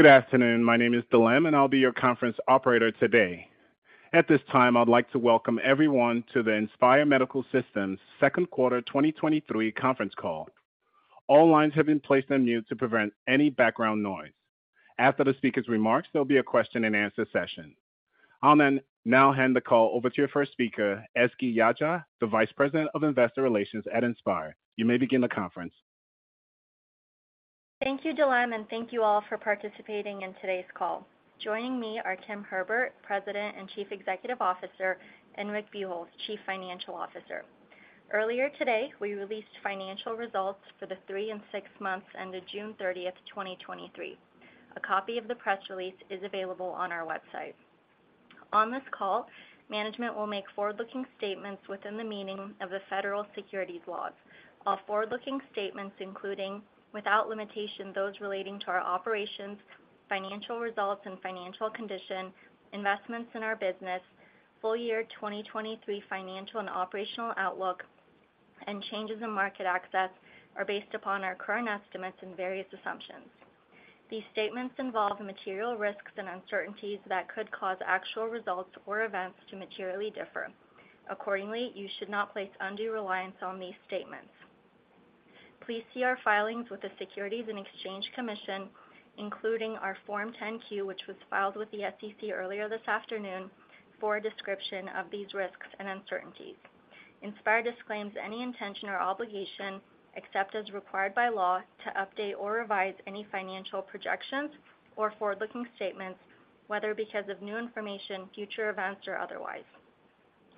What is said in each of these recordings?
Good afternoon. My name is Dilem, and I'll be your conference operator today. At this time, I'd like to welcome everyone to the Inspire Medical Systems second quarter 2023 conference call. All lines have been placed on mute to prevent any background noise. After the speaker's remarks, there'll be a question-and-answer session. I'll then now hand the call over to your first speaker, Ezgi Yagci, the Vice President of Investor Relations at Inspire. You may begin the conference. Thank you, Dilem, and thank you all for participating in today's call. Joining me are Tim Herbert, President and Chief Executive Officer, and Rick Buchholz, Chief Financial Officer. Earlier today, we released financial results for the three and six months ended June 30th, 2023. A copy of the press release is available on our website. On this call, management will make forward-looking statements within the meaning of the federal securities laws. All forward-looking statements, including, without limitation, those relating to our operations, financial results and financial condition, investments in our business, full year 2023 financial and operational outlook, and changes in market access, are based upon our current estimates and various assumptions. These statements involve material risks and uncertainties that could cause actual results or events to materially differ. Accordingly, you should not place undue reliance on these statements. Please see our filings with the Securities and Exchange Commission, including our Form 10-Q, which was filed with the SEC earlier this afternoon, for a description of these risks and uncertainties. Inspire disclaims any intention or obligation, except as required by law, to update or revise any financial projections or forward-looking statements, whether because of new information, future events, or otherwise.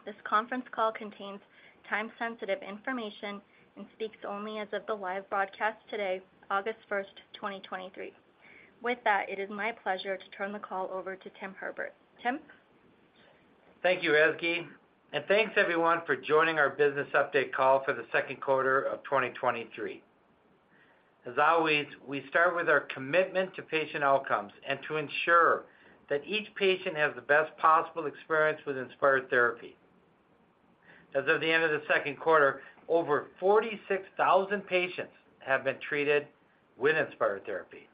This conference call contains time-sensitive information and speaks only as of the live broadcast today, August 1, 2023. With that, it is my pleasure to turn the call over to Tim Herbert. Tim? Thank you, Ezgi, and thanks everyone for joining our business update call for the second quarter of 2023. As always, we start with our commitment to patient outcomes and to ensure that each patient has the best possible experience with Inspire therapy. As of the end of the second quarter, over 46,000 patients have been treated with Inspire therapy.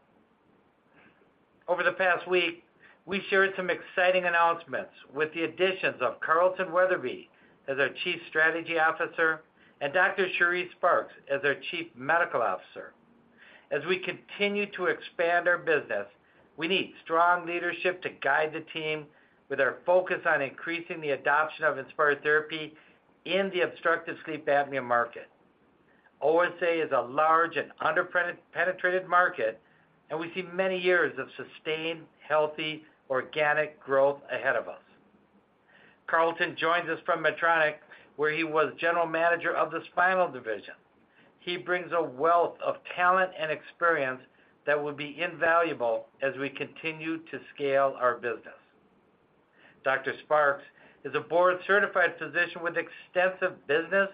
Over the past week, we shared some exciting announcements with the additions of Carlton Weatherby as our Chief Strategy Officer and Dr. Charisse Sparks as our Chief Medical Officer. As we continue to expand our business, we need strong leadership to guide the team with our focus on increasing the adoption of Inspire therapy in the obstructive sleep apnea market. OSA is a large and penetrated market, and we see many years of sustained, healthy, organic growth ahead of us. Carlton joins us from Medtronic, where he was General Manager of the Spinal Division. He brings a wealth of talent and experience that will be invaluable as we continue to scale our business. Dr. Sparks is a board-certified physician with extensive business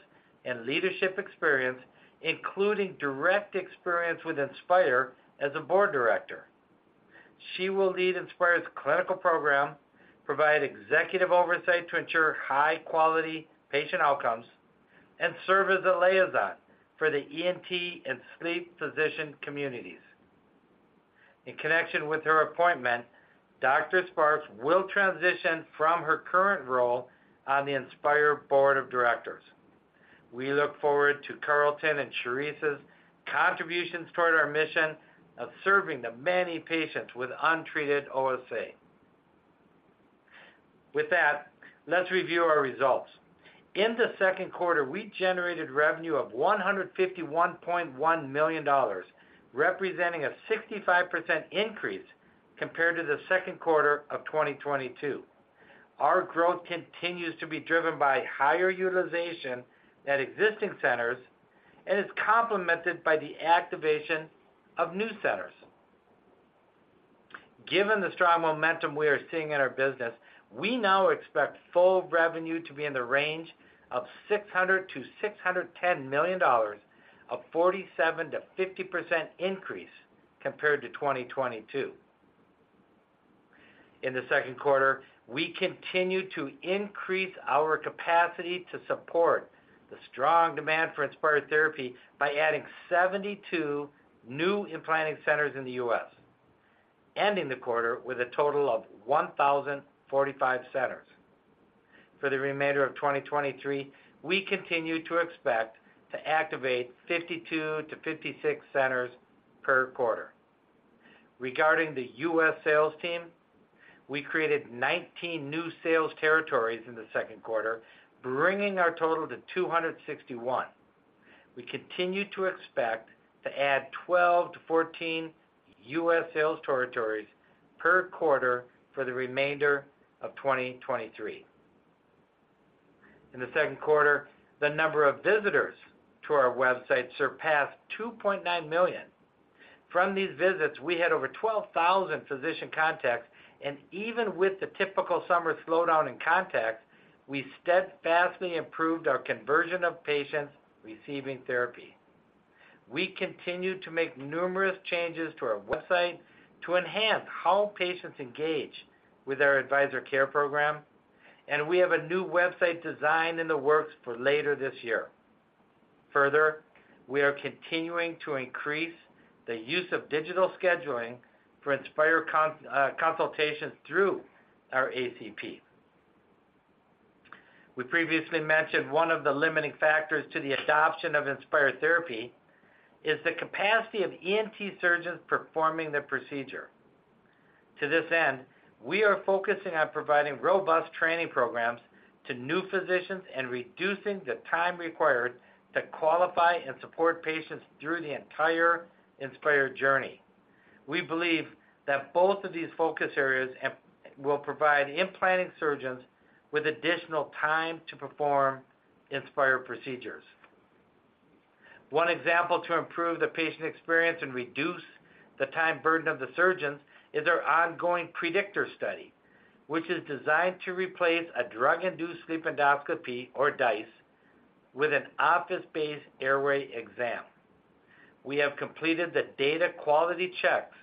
and leadership experience, including direct experience with Inspire as a board director. She will lead Inspire's clinical program, provide executive oversight to ensure high-quality patient outcomes, and serve as a liaison for the ENT and sleep physician communities. In connection with her appointment, Dr. Sparks will transition from her current role on the Inspire board of directors. We look forward to Carlton and Charisse's contributions toward our mission of serving the many patients with untreated OSA. With that, let's review our results. In the second quarter, we generated revenue of $151.1 million, representing a 65% increase compared to the second quarter of 2022. Our growth continues to be driven by higher utilization at existing centers and is complemented by the activation of new centers. Given the strong momentum we are seeing in our business, we now expect full revenue to be in the range of $600 million-$610 million, a 47%-50% increase compared to 2022. In the second quarter, we continued to increase our capacity to support the strong demand for Inspire therapy by adding 72 new implanting centers in the U.S., ending the quarter with a total of 1,045 centers. For the remainder of 2023, we continue to expect to activate 52-56 centers per quarter. Regarding the U.S. sales team, we created 19 new sales territories in the second quarter, bringing our total to 261. We continue to expect to add 12 to 14 U.S. sales territories per quarter for the remainder of 2023. In the second quarter, the number of visitors to our website surpassed 2.9 million. From these visits, we had over 12,000 physician contacts, even with the typical summer slowdown in contacts, we steadfastly improved our conversion of patients receiving therapy. We continued to make numerous changes to our website to enhance how patients engage with our Advisor Care Program, and we have a new website design in the works for later this year. Further, we are continuing to increase the use of digital scheduling for consultations through our ACP. We previously mentioned one of the limiting factors to the adoption of Inspire therapy is the capacity of ENT surgeons performing the procedure. To this end, we are focusing on providing robust training programs to new physicians and reducing the time required to qualify and support patients through the entire Inspire journey. We believe that both of these focus areas will provide implanted surgeons with additional time to perform Inspire procedures. One example to improve the patient experience and reduce the time burden of the surgeons is our ongoing PREDICTOR Study, which is designed to replace a drug-induced sleep endoscopy, or DISE, with an office-based airway exam. We have completed the data quality checks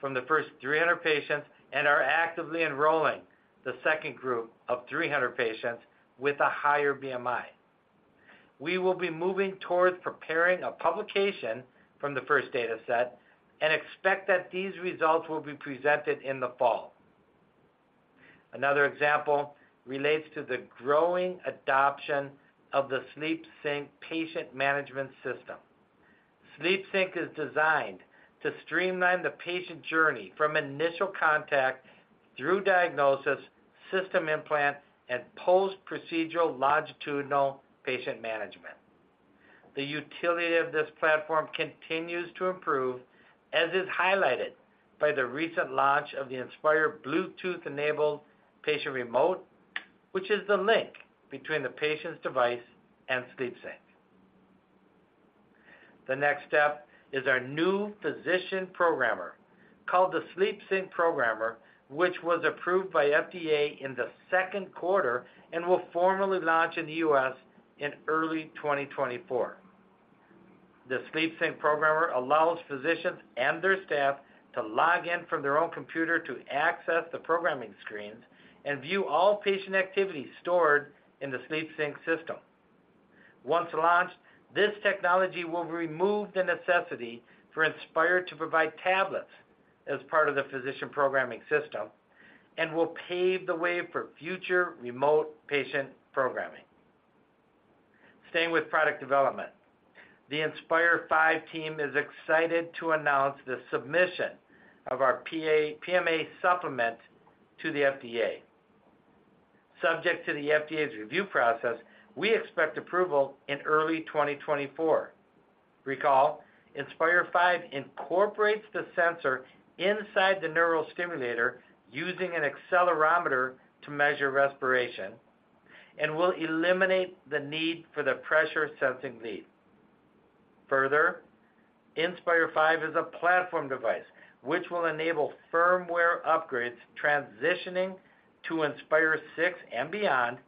from the first 300 patients and are actively enrolling the second group of 300 patients with a higher BMI. We will be moving towards preparing a publication from the first data set and expect that these results will be presented in the fall. Another example relates to the growing adoption of the SleepSync patient management system. SleepSync is designed to streamline the patient journey from initial contact through diagnosis, system implant, and post-procedural longitudinal patient management. The utility of this platform continues to improve, as is highlighted by the recent launch of the Inspire Bluetooth-enabled patient remote, which is the link between the patient's device and SleepSync. The next step is our new physician programmer, called the SleepSync Programmer, which was approved by FDA in the second quarter and will formally launch in the U.S. in early 2024. The SleepSync Programmer allows physicians and their staff to log in from their own computer to access the programming screens and view all patient activities stored in the SleepSync system. Once launched, this technology will remove the necessity for Inspire to provide tablets as part of the physician programming system and will pave the way for future remote patient programming. Staying with product development, the Inspire V team is excited to announce the submission of our PMA supplement to the FDA. Subject to the FDA's review process, we expect approval in early 2024. Recall, Inspire V incorporates the sensor inside the neurostimulator, using an accelerometer to measure respiration and will eliminate the need for the pressure sensing lead. Further, Inspire V is a platform device, which will enable firmware upgrades, transitioning to Inspire VI and beyond,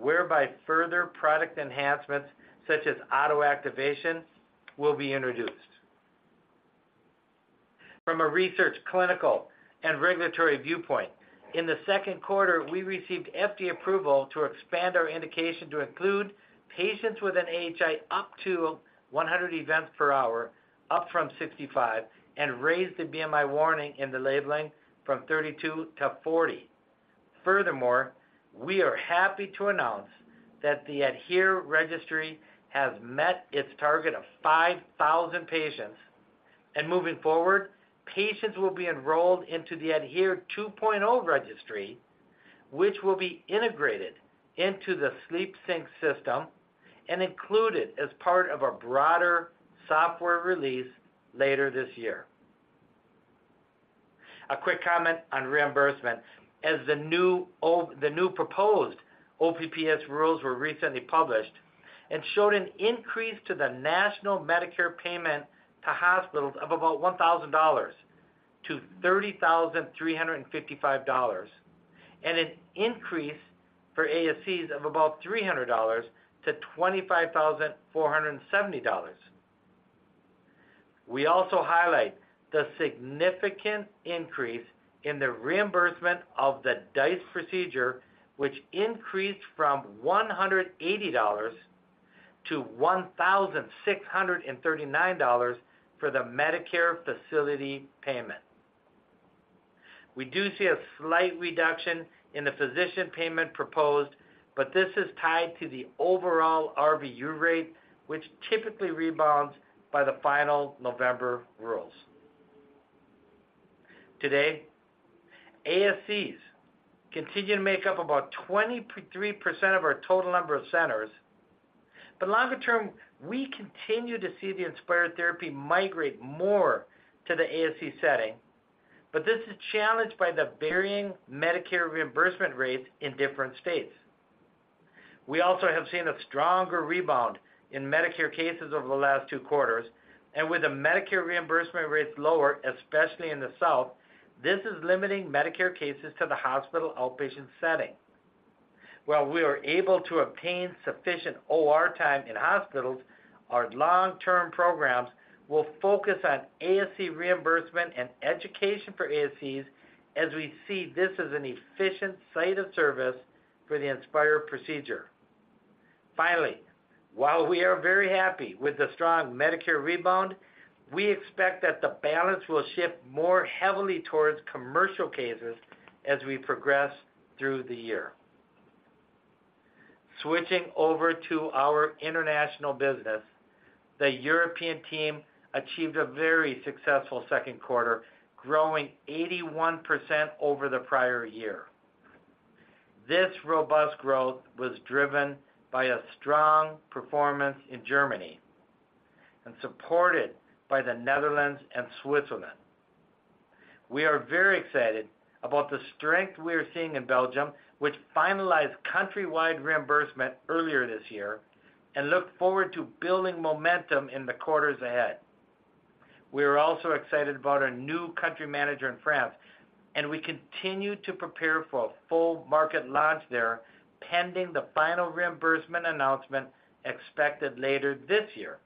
whereby further product enhancements, such as auto-activation, will be introduced. From a research clinical, and regulatory viewpoint, in the second quarter, we received FDA approval to expand our indication to include patients with an AHI up to 100 events per hour, up from 65, and raised the BMI warning in the labeling from 32 to 40. Furthermore, we are happy to announce that the ADHERE Registry has met its target of 5,000 patients. Moving forward, patients will be enrolled into the ADHERE 2.0 Registry, which will be integrated into the SleepSync system and included as part of a broader software release later this year. A quick comment on reimbursement, as the new proposed OPPS rules were recently published and showed an increase to the national Medicare payment to hospitals of about $1,000 to $30,355, and an increase for ASCs of about $300 to $25,470. We also highlight the significant increase in the reimbursement of the DISE procedure, which increased from $180 to $1,639 for the Medicare facility payment. We do see a slight reduction in the physician payment proposed, but this is tied to the overall RVU rate, which typically rebounds by the final November rules. Today, ASCs continue to make up about 23% of our total number of centers. Longer term, we continue to see the Inspire therapy migrate more to the ASC setting, but this is challenged by the varying Medicare reimbursement rates in different states. We also have seen a stronger rebound in Medicare cases over the last two quarters, with the Medicare reimbursement rates lower, especially in the South, this is limiting Medicare cases to the hospital outpatient setting. While we are able to obtain sufficient OR time in hospitals, our long-term programs will focus on ASC reimbursement and education for ASCs, as we see this as an efficient site of service for the Inspire procedure. Finally, while we are very happy with the strong Medicare rebound, we expect that the balance will shift more heavily towards commercial cases as we progress through the year. Switching over to our international business, the European team achieved a very successful second quarter, growing 81% over the prior year. This robust growth was driven by a strong performance in Germany and supported by the Netherlands and Switzerland. We are very excited about the strength we are seeing in Belgium, which finalized countrywide reimbursement earlier this year, and look forward to building momentum in the quarters ahead. We are also excited about our new country manager in France. We continue to prepare for a full market launch there, pending the final reimbursement announcement expected later this year.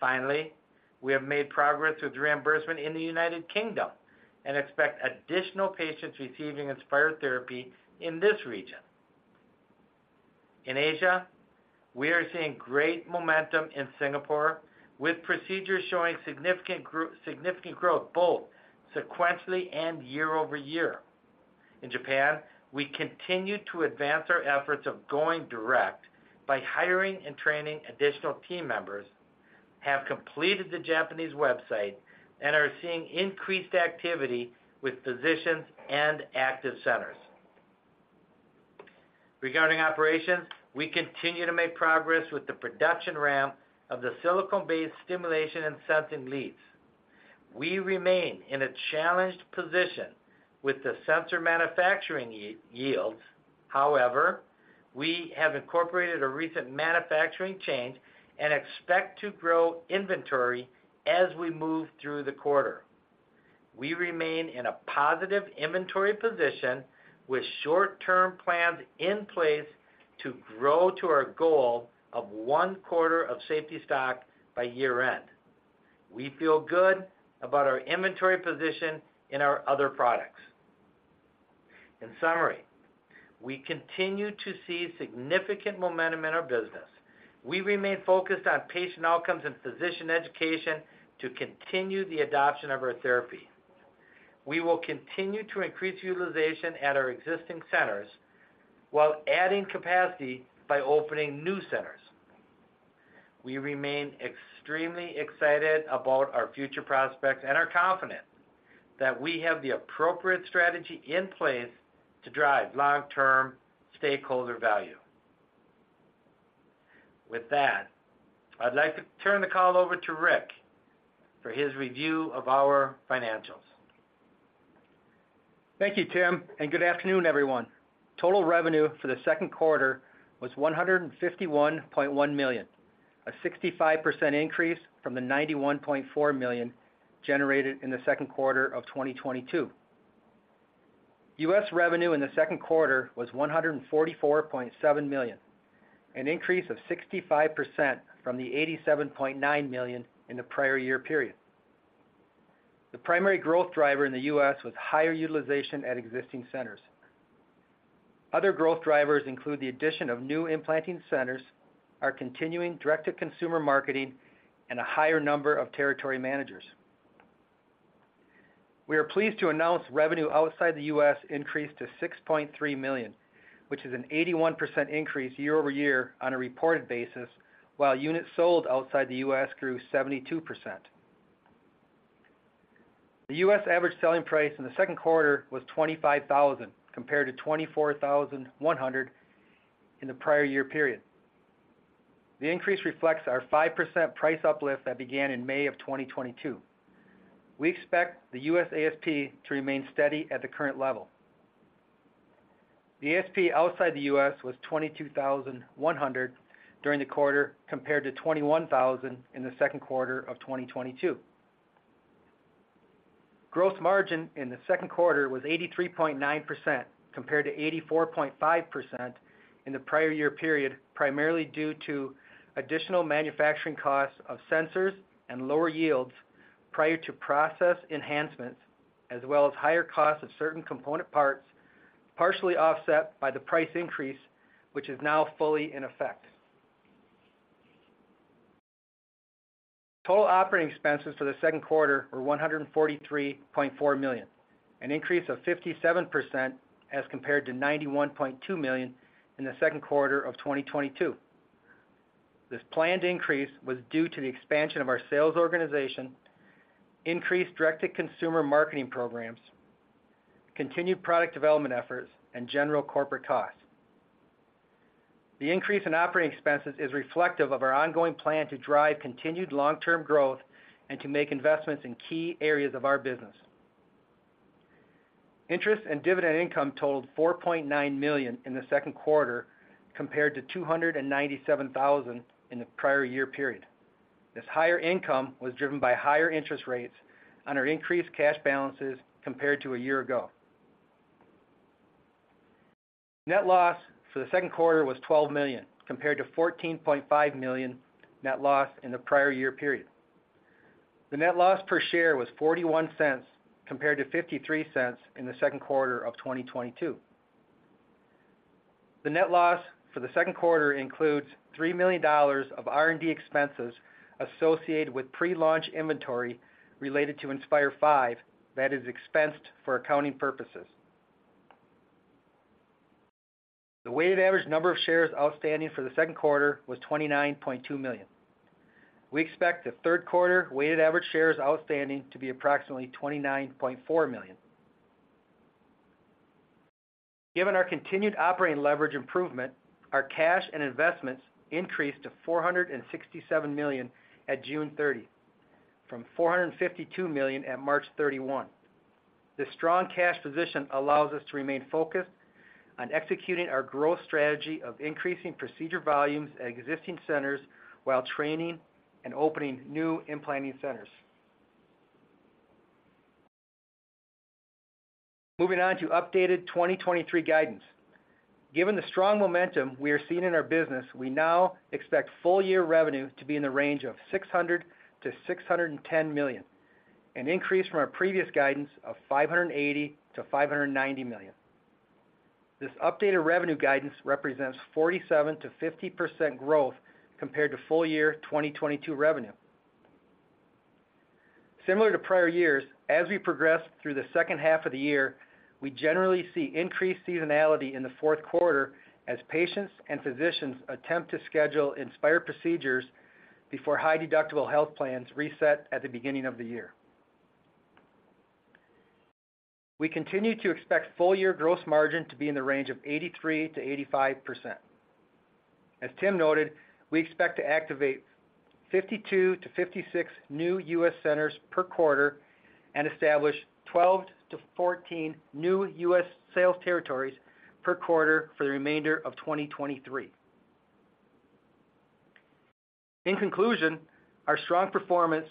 Finally, we have made progress with reimbursement in the United Kingdom and expect additional patients receiving Inspire therapy in this region. In Asia, we are seeing great momentum in Singapore, with procedures showing significant growth, both sequentially and year-over-year. In Japan, we continue to advance our efforts of going direct by hiring and training additional team members, have completed the Japanese website, and are seeing increased activity with physicians and active centers. Regarding operations, we continue to make progress with the production ramp of the silicone-based stimulation and sensing leads. We remain in a challenged position with the sensor manufacturing yields. However, we have incorporated a recent manufacturing change and expect to grow inventory as we move through the quarter. We remain in a positive inventory position, with short-term plans in place to grow to our goal of 1 quarter of safety stock by year-end. We feel good about our inventory position in our other products. In summary, we continue to see significant momentum in our business. We remain focused on patient outcomes and physician education to continue the adoption of our therapy. We will continue to increase utilization at our existing centers while adding capacity by opening new centers. We remain extremely excited about our future prospects and are confident that we have the appropriate strategy in place to drive long-term stakeholder value. With that, I'd like to turn the call over to Rick for his review of our financials. Thank you, Tim. Good afternoon, everyone. Total revenue for the second quarter was $151.1 million, a 65% increase from the $91.4 million generated in the second quarter of 2022. U.S. revenue in the second quarter was $144.7 million, an increase of 65% from the $87.9 million in the prior year period. The primary growth driver in the U.S. was higher utilization at existing centers. Other growth drivers include the addition of new implanting centers, our continuing direct-to-consumer marketing, and a higher number of territory managers. We are pleased to announce revenue outside the U.S. increased to $6.3 million, which is an 81% increase year-over-year on a reported basis, while units sold outside the U.S. grew 72%. The U.S. average selling price in the second quarter was $25,000, compared to $24,100 in the prior year period. The increase reflects our 5% price uplift that began in May of 2022. We expect the U.S. ASP to remain steady at the current level. The ASP outside the U.S. was $22,100 during the quarter, compared to $21,000 in the second quarter of 2022. Gross margin in the second quarter was 83.9%, compared to 84.5% in the prior year period, primarily due to additional manufacturing costs of sensors and lower yields prior to process enhancements, as well as higher costs of certain component parts, partially offset by the price increase, which is now fully in effect. Total operating expenses for the second quarter were $143.4 million, an increase of 57% as compared to $91.2 million in the second quarter of 2022. This planned increase was due to the expansion of our sales organization, increased direct-to-consumer marketing programs, continued product development efforts, and general corporate costs. The increase in operating expenses is reflective of our ongoing plan to drive continued long-term growth and to make investments in key areas of our business. Interest and dividend income totaled $4.9 million in the second quarter, compared to $297,000 in the prior year period. This higher income was driven by higher interest rates on our increased cash balances compared to a year ago. Net loss for the second quarter was $12 million, compared to $14.5 million net loss in the prior year period. The net loss per share was $0.41, compared to $0.53 in the second quarter of 2022. The net loss for the second quarter includes $3 million of R&D expenses associated with pre-launch inventory related to Inspire V, that is expensed for accounting purposes. The weighted average number of shares outstanding for the second quarter was 29.2 million. We expect the third quarter weighted average shares outstanding to be approximately 29.4 million. Given our continued operating leverage improvement, our cash and investments increased to $467 million at June 30, from $452 million at March 31. This strong cash position allows us to remain focused on executing our growth strategy of increasing procedure volumes at existing centers while training and opening new implanting centers. Moving on to updated 2023 guidance. Given the strong momentum we are seeing in our business, we now expect full year revenue to be in the range of $600 million-$610 million, an increase from our previous guidance of $580 million-$590 million. This updated revenue guidance represents 47%-50% growth compared to full year 2022 revenue. Similar to prior years, as we progress through the second half of the year, we generally see increased seasonality in the fourth quarter as patients and physicians attempt to schedule Inspire procedures before high-deductible health plans reset at the beginning of the year. We continue to expect full year growth margin to be in the range of 83%-85%. As Tim noted, we expect to activate 52-56 new U.S. centers per quarter and establish 12-14 new U.S. sales territories per quarter for the remainder of 2023. In conclusion, our strong performance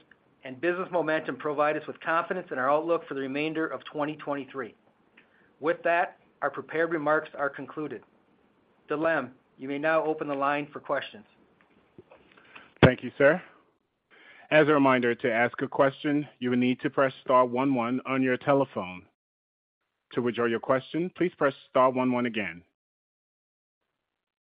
and business momentum provide us with confidence in our outlook for the remainder of 2023. With that, our prepared remarks are concluded. Dilem, you may now open the line for questions. Thank you, sir. As a reminder, to ask a question, you will need to press * 1 1 on your telephone. To withdraw your question, please press * 1 1 again.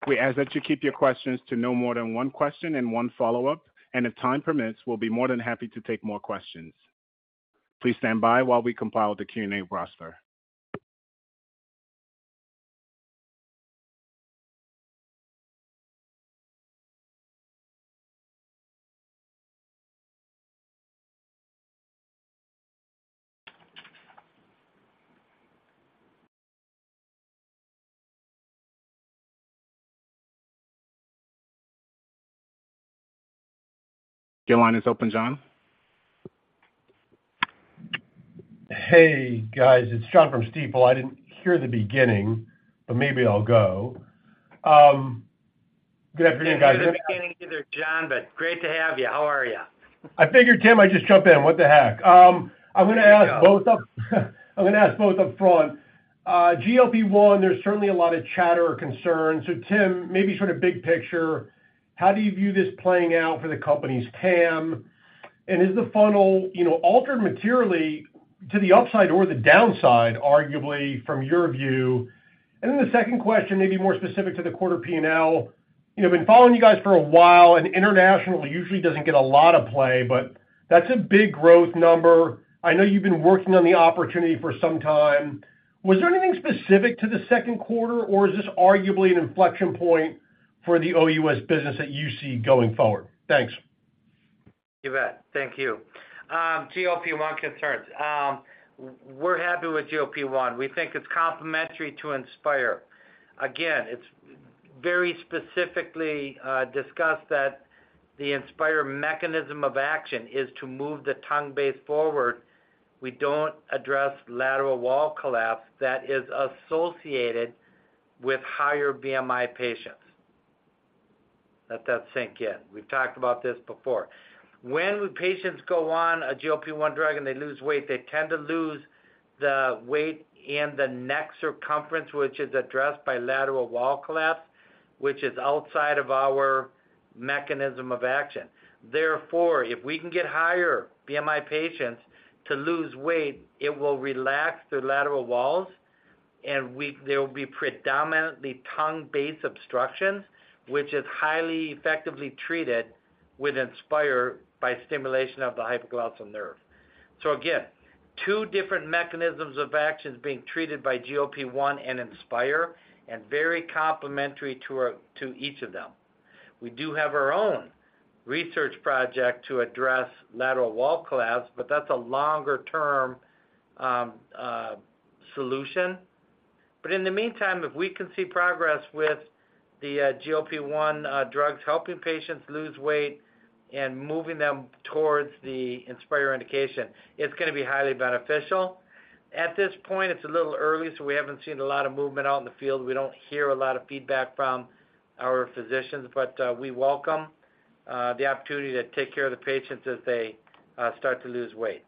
We ask that you keep your questions to no more than one question and one follow-up, and if time permits, we'll be more than happy to take more questions. Please stand by while we compile the Q&A roster. Your line is open, John. Hey, guys, it's John from Stifel. I didn't hear the beginning, but maybe I'll go. Good afternoon, guys- I didn't hear the beginning either, John, but great to have you. How are you? I figured, Tim, I just jump in. What the heck? I'm gonna ask both up front. GLP-1, there's certainly a lot of chatter or concern. Tim, maybe sort of big picture, how do you view this playing out for the company's TAM? Is the funnel, you know, altered materially to the upside or the downside, arguably, from your view? Then the second question, maybe more specific to the quarter P&L. You know, I've been following you guys for a while, and internationally usually doesn't get a lot of play, but that's a big growth number. I know you've been working on the opportunity for some time. Was there anything specific to the second quarter, or is this arguably an inflection point for the OUS business that you see going forward? Thanks. You bet. Thank you. GLP-1 concerns. We're happy with GLP-1. We think it's complementary to Inspire. Again, it's very specifically discussed that the Inspire mechanism of action is to move the tongue base forward. We don't address lateral wall collapse that is associated with higher BMI patients. Let that sink in. We've talked about this before. When patients go on a GLP-1 drug and they lose weight, they tend to lose the weight in the neck circumference, which is addressed by lateral wall collapse, which is outside of our mechanism of action. Therefore, if we can get higher BMI patients to lose weight, it will relax the lateral walls, and there will be predominantly tongue-based obstructions, which is highly effectively treated with Inspire by stimulation of the hypoglossal nerve. Again, two different mechanisms of actions being treated by GLP-1 and Inspire, and very complementary to each of them. We do have our own research project to address lateral wall collapse, but that's a longer-term solution. In the meantime, if we can see progress with the GLP-1 drugs, helping patients lose weight and moving them towards the Inspire indication, it's gonna be highly beneficial. At this point, it's a little early, so we haven't seen a lot of movement out in the field. We don't hear a lot of feedback from our physicians, but we welcome the opportunity to take care of the patients as they start to lose weight.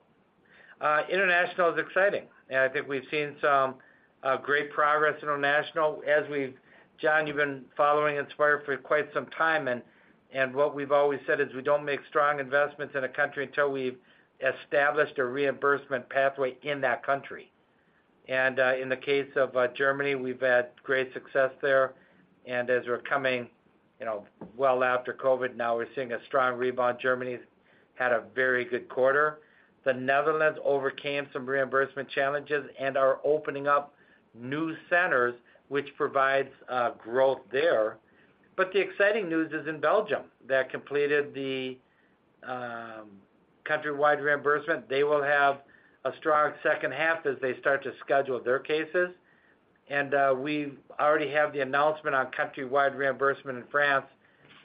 international is exciting, and I think we've seen some great progress international as we've-- John, you've been following Inspire for quite some time, and, and what we've always said is we don't make strong investments in a country until we've established a reimbursement pathway in that country. In the case of Germany, we've had great success there. As we're coming, you know, well after COVID now, we're seeing a strong rebound. Germany had a very good quarter. The Netherlands overcame some reimbursement challenges and are opening up new centers, which provides growth there. The exciting news is in Belgium; they completed the countrywide reimbursement. They will have a strong second half as they start to schedule their cases. We've already have the announcement on countrywide reimbursement in France,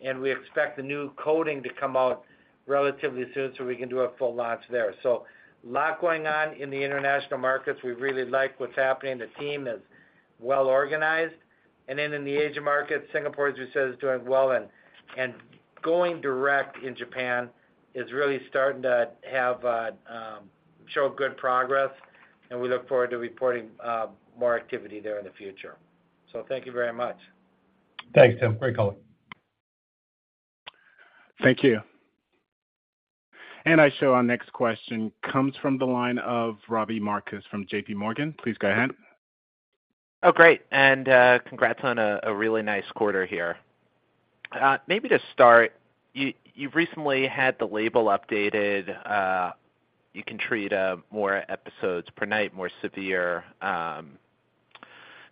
and we expect the new coding to come out relatively soon, so we can do a full launch there. A lot going on in the international markets. We really like what's happening. The team is well organized. In the Asian market, Singapore, as you said, is doing well, and going direct in Japan is really starting to have show good progress, and we look forward to reporting more activity there in the future. Thank you very much. Thanks, Tim. Great call. Thank you. I show our next question comes from the line of Robbie Marcus from JPMorgan. Please go ahead. Oh, great. Congrats on a, a really nice quarter here. Maybe to start, you, you've recently had the label updated. You can treat, more episodes per night, more severe,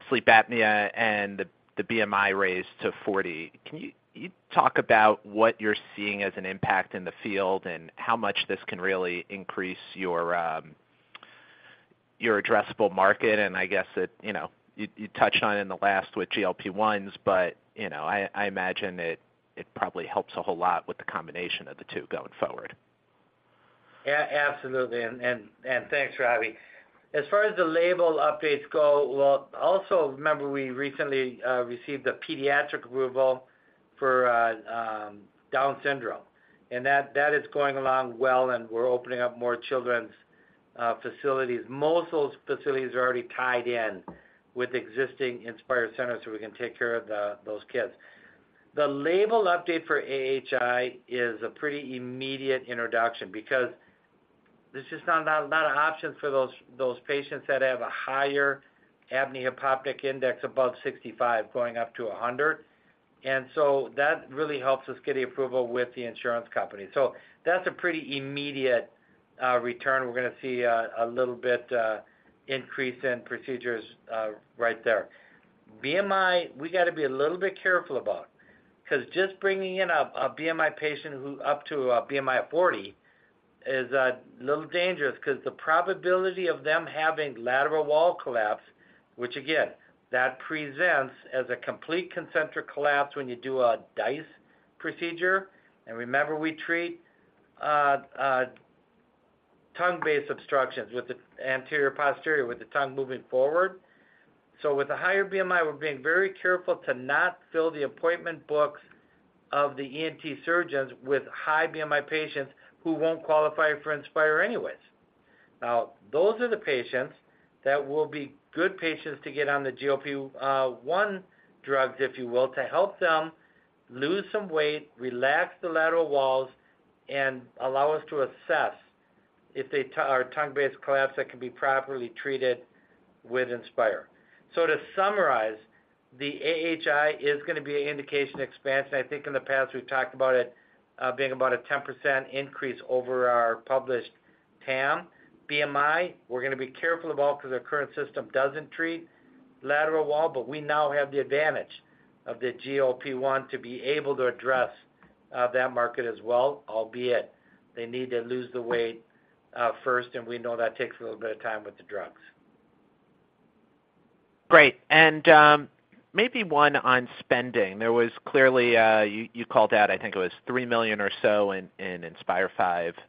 sleep apnea, and the, the BMI raised to 40. Can you, you talk about what you're seeing as an impact in the field and how much this can really increase your, your addressable market? I guess it, you know, you, you touched on in the last with GLP-1s, but, you know, I, I imagine it, it probably helps a whole lot with the combination of the two going forward. Yeah, absolutely. Thanks, Robbie. As far as the label updates go, well, also, remember, we recently received a pediatric approval for Down syndrome, and that is going along well, and we're opening up more children's facilities. Most of those facilities are already tied in with existing Inspire centers, so we can take care of those kids. The label update for AHI is a pretty immediate introduction because there's just not a lot of options for those patients that have a higher apnea-hypopnea index above 65, going up to 100. That really helps us get the approval with the insurance company. That's a pretty immediate return. We're gonna see a little bit increase in procedures right there. BMI, we got to be a little bit careful about because just bringing in a BMI patient who up to a BMI of 40 is a little dangerous because the probability of them having lateral wall collapse, which again, that presents as a complete concentric collapse when you do a DISE procedure. Remember, we treat tongue-based obstructions with the anterior-posterior, with the tongue moving forward. With a higher BMI, we're being very careful to not fill the appointment books of the ENT surgeons with high BMI patients who won't qualify for Inspire anyways. Those are the patients that will be good patients to get on the GLP-1 drugs, if you will, to help them lose some weight, relax the lateral walls, and allow us to assess if they are tongue-based collapse that can be properly treated with Inspire. To summarize, the AHI is gonna be an indication expansion. I think in the past we've talked about it, being about a 10% increase over our published TAM. BMI, we're gonna be careful about because our current system doesn't treat lateral wall, but we now have the advantage of the GLP-1 to be able to address that market as well, albeit they need to lose the weight first, and we know that takes a little bit of time with the drugs. Great. Maybe one on spending. There was clearly, you, you called out, I think it was $3 million or so in Inspire V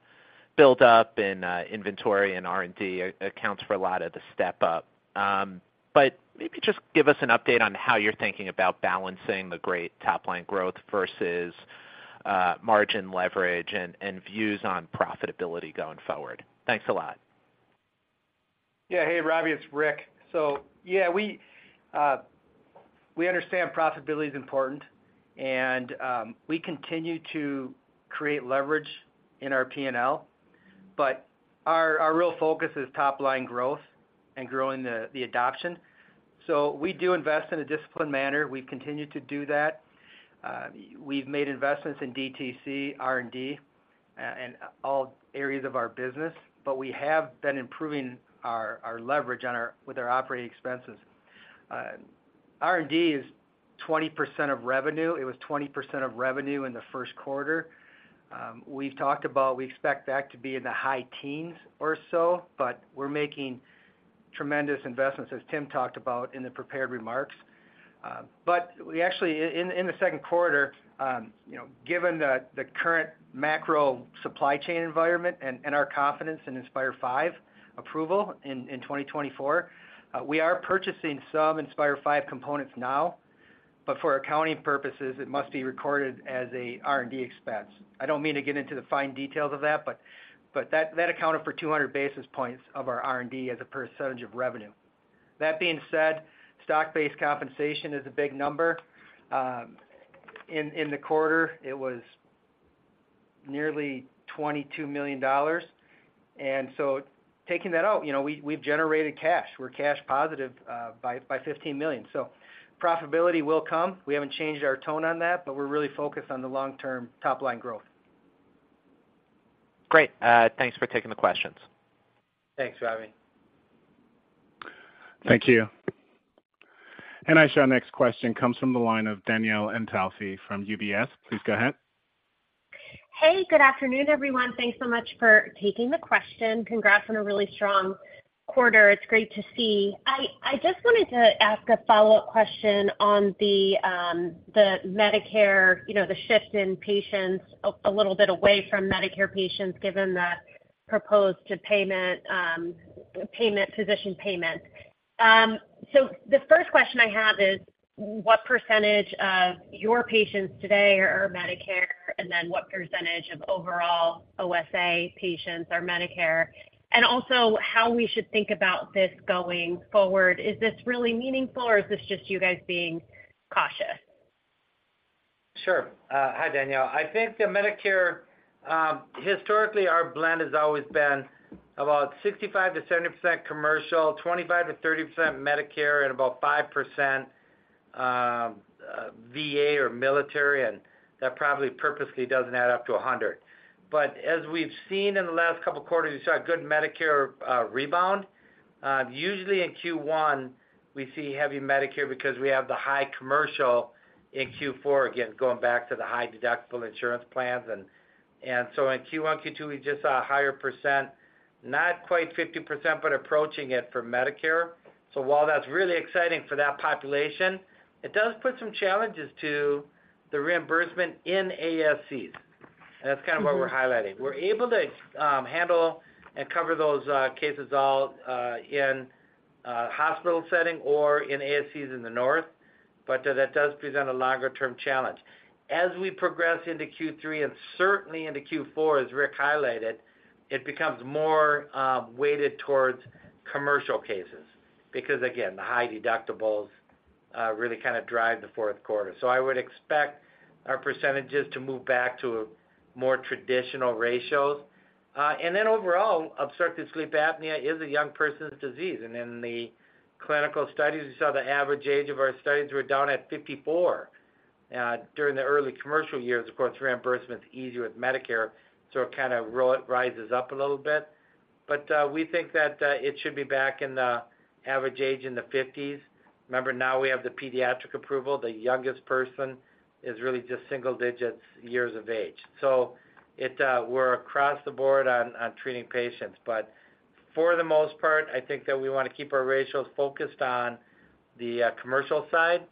build up and inventory and R&D accounts for a lot of the step up. Maybe just give us an update on how you're thinking about balancing the great top line growth versus margin leverage and, and views on profitability going forward. Thanks a lot. Yeah. Hey, Robbie, it's Rick. Yeah, we understand profitability is important and we continue to create leverage in our P&L, but our, our real focus is top line growth and growing the, the adoption. We do invest in a disciplined manner. We've continued to do that. We've made investments in DTC, R&D, and all areas of our business, but we have been improving our, our leverage with our operating expenses. R&D is 20% of revenue. It was 20% of revenue in the first quarter. We've talked about we expect that to be in the high teens or so, but we're making tremendous investments, as Tim talked about in the prepared remarks. But we actually, in, in the second quarter, you know, given the, the current macro supply chain environment and, and our confidence in Inspire V approval in, in 2024, we are purchasing some Inspire V components now.... but for accounting purposes, it must be recorded as a R&D expense. I don't mean to get into the fine details of that, but that, that accounted for 200 basis points of our R&D as a percentage of revenue. That being said, stock-based compensation is a big number. In the quarter, it was nearly $22 million. Taking that out, you know, we, we've generated cash. We're cash positive, by $15 million. Profitability will come. We haven't changed our tone on that, but we're really focused on the long-term top line growth. Great. Thanks for taking the questions. Thanks, Robbie. Thank you. Our next question comes from the line of Danielle Antalffy from UBS. Please go ahead. Hey, good afternoon, everyone. Thanks so much for taking the question. Congrats on a really strong quarter. It's great to see. I, I just wanted to ask a follow-up question on the, the Medicare, you know, the shift in patients a little bit away from Medicare patients, given the proposed to payment, payment, physician payment. The first question I have is, what percentage of your patients today are, are Medicare, and then what percentage of overall OSA patients are Medicare? Also, how we should think about this going forward. Is this really meaningful, or is this just you guys being cautious? Sure. Hi, Danielle. I think the Medicare, historically, our blend has always been about 65%-70% commercial, 25%-30% Medicare, and about 5% VA or military, and that probably purposely doesn't add up to 100. As we've seen in the last couple of quarters, we saw a good Medicare rebound. Usually in Q1, we see heavy Medicare because we have the high commercial in Q4, again, going back to the high-deductible insurance plans. In Q1, Q2, we just saw a higher percent, not quite 50%, but approaching it for Medicare. While that's really exciting for that population, it does put some challenges to the reimbursement in ASCs, and that's kind of where we're highlighting. We're able to handle and cover those cases all in hospital setting or in ASCs in the north. That does present a longer-term challenge. As we progress into Q3, and certainly into Q4, as Rick highlighted, it becomes more weighted towards commercial cases because, again, the high deductibles really kind of drive the fourth quarter. I would expect our percentages to move back to a more traditional ratio. Overall, obstructive sleep apnea is a young person's disease. In the clinical studies, we saw the average age of our studies were down at 54. During the early commercial years, of course, reimbursement is easier with Medicare, so it kind of rises up a little bit. We think that it should be back in the average age in the fifties. Now we have the pediatric approval. The youngest person is really just single digits years of age. It, we're across the board on, on treating patients. For the most part, I think that we want to keep our ratios focused on the commercial side,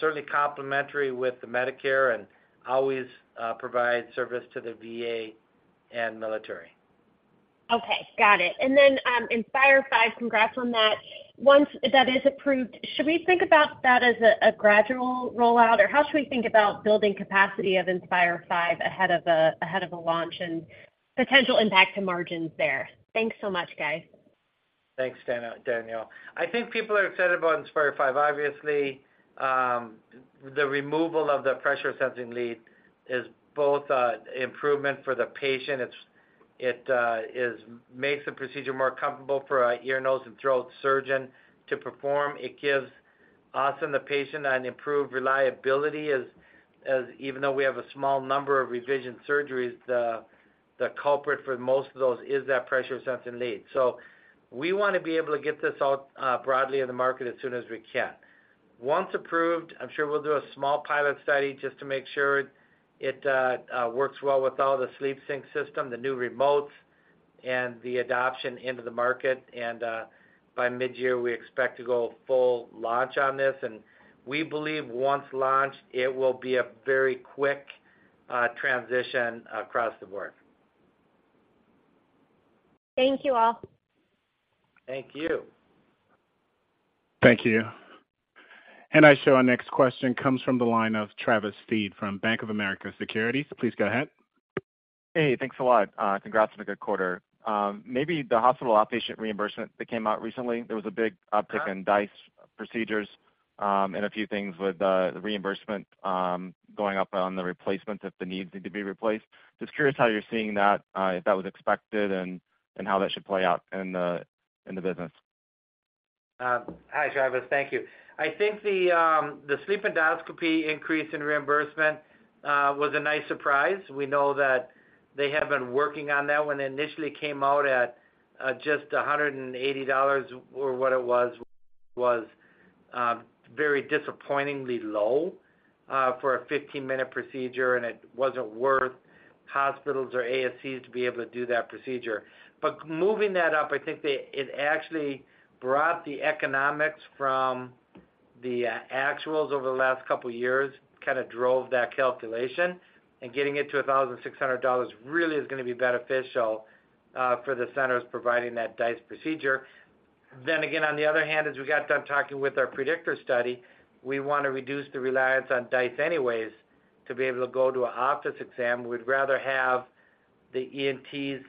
certainly complementary with the Medicare and always, provide service to the VA and military. Okay, got it. Inspire V, congrats on that. Once that is approved, should we think about that as a gradual rollout, or how should we think about building capacity of Inspire V ahead of a launch and potential impact to margins there? Thanks so much, guys. Thanks, Dan- Danielle. I think people are excited about Inspire V. Obviously, the removal of the pressure sensing lead is both improvement for the patient. It's, it, is makes the procedure more comfortable for our ear, nose, and throat surgeon to perform. It gives us and the patient an improved reliability as, as even though we have a small number of revision surgeries, the, the culprit for most of those is that pressure sensing lead. We want to be able to get this out broadly in the market as soon as we can. Once approved, I'm sure we'll do a small pilot study just to make sure it works well with all the SleepSync system, the new remotes, and the adoption into the market. By mid-year, we expect to go full launch on this, and we believe once launched, it will be a very quick transition across the board. Thank you all. Thank you. Thank you. I show our next question comes from the line of Travis Steed from Bank of America Securities. Please go ahead. Hey, thanks a lot. Congrats on a good quarter. Maybe the hospital outpatient reimbursement that came out recently, there was a big uptick in DISE procedures, and a few things with the reimbursement going up on the replacement if the needs need to be replaced. Just curious how you're seeing that, if that was expected and, and how that should play out in the, in the business. Hi, Travis. Thank you. I think the sleep endoscopy increase in reimbursement was a nice surprise. We know that they have been working on that one. It initially came out at just $180, or what it was, was very disappointingly low for a 15-minute procedure, and it wasn't worth hospitals or ASCs to be able to do that procedure. Moving that up, I think it actually brought the economics from the actuals over the last couple of years, kind of drove that calculation, and getting it to $1,600 really is gonna be beneficial for the centers providing that DISE procedure. Again, on the other hand, as we got done talking with our PREDICTOR Study, we want to reduce the reliance on DISE anyways, to be able to go to an office exam. We'd rather have the ENTs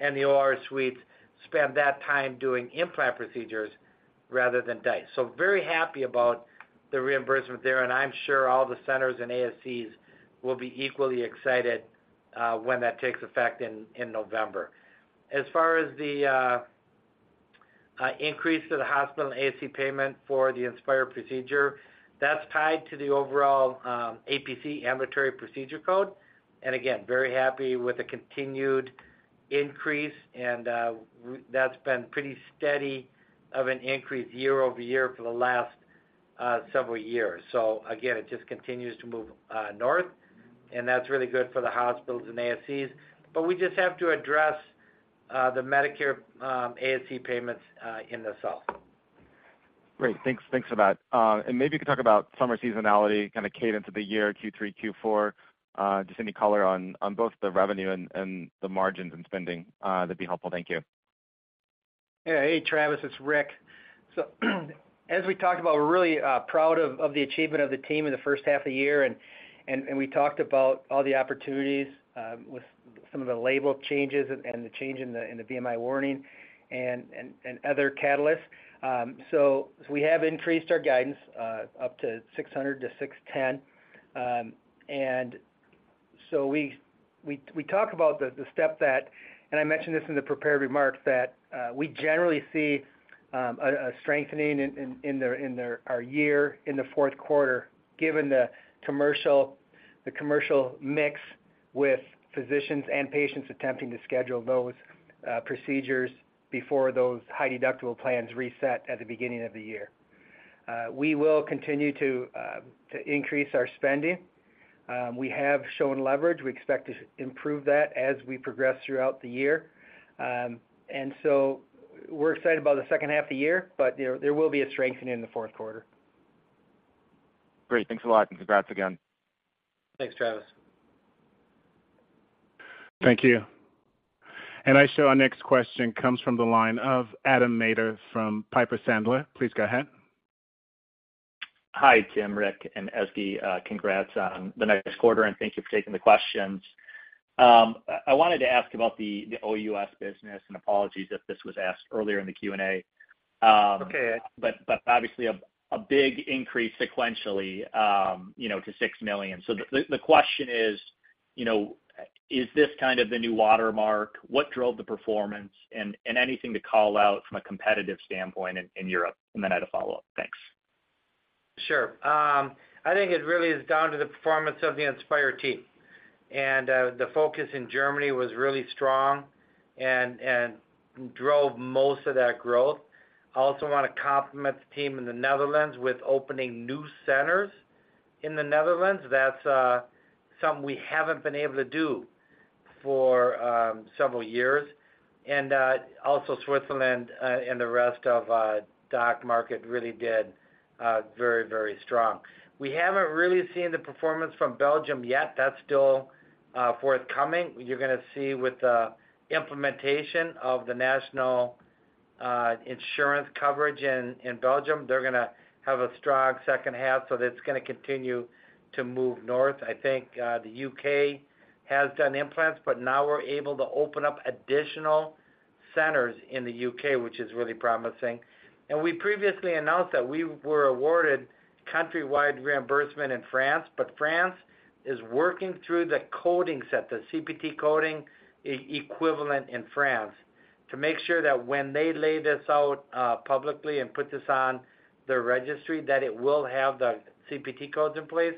and the OR suites spend that time doing implant procedures rather than DISE. Very happy about the reimbursement there, and I'm sure all the centers and ASCs will be equally excited when that takes effect in November. As far as the increase to the hospital ASC payment for the Inspire procedure, that's tied to the overall APC, Ambulatory Procedure Code. Again, very happy with the continued increase, that's been pretty steady of an increase year over year for the last several years. Again, it just continues to move north, and that's really good for the hospitals and ASCs. We just have to address the Medicare ASC payments in the south. Great. Thanks, thanks for that. Maybe you could talk about summer seasonality, kind of cadence of the year, Q3, Q4, just any color on, on both the revenue and, and the margins and spending, that'd be helpful. Thank you. Hey, Travis, it's Rick. As we talked about, we're really proud of the achievement of the team in the first half of the year, and we talked about all the opportunities with some of the label changes and the change in the BMI warning and other catalysts. We have increased our guidance up to $600-$610. We talk about the step that, and I mentioned this in the prepared remarks, that we generally see a strengthening in our year in the fourth quarter, given the commercial mix with physicians and patients attempting to schedule those procedures before those high-deductible plans reset at the beginning of the year. We will continue to increase our spending. We have shown leverage. We expect to improve that as we progress throughout the year. We're excited about the second half of the year, but there, there will be a strengthening in the fourth quarter. Great. Thanks a lot, and congrats again. Thanks, Travis. Thank you. I show our next question comes from the line of Adam Maeder from Piper Sandler. Please go ahead. Hi, Tim, Rick, and Ezgi. Congrats on the next quarter and thank you for taking the questions. I wanted to ask about the OUS business, and apologies if this was asked earlier in the Q&A. Okay. Obviously, a big increase sequentially, you know, to $6 million. The question is, you know, is this kind of the new watermark? What drove the performance? Anything to call out from a competitive standpoint in Europe. Then I had a follow-up. Thanks. Sure. I think it really is down to the performance of the Inspire team. The focus in Germany was really strong and drove most of that growth. I also want to compliment the team in the Netherlands with opening new centers in the Netherlands. That's something we haven't been able to do for several years. Also, Switzerland and the rest of DACH market really did very, very strong. We haven't really seen the performance from Belgium yet. That's still forthcoming. You're gonna see with the implementation of the national insurance coverage in Belgium, they're gonna have a strong second half, it's gonna continue to move north. I think the U.K. has done implants, now we're able to open up additional centers in the U.K., which is really promising. We previously announced that we were awarded countrywide reimbursement in France, but France is working through the coding set, the CPT coding e-equivalent in France, to make sure that when they lay this out publicly and put this on their registry, that it will have the CPT codes in place.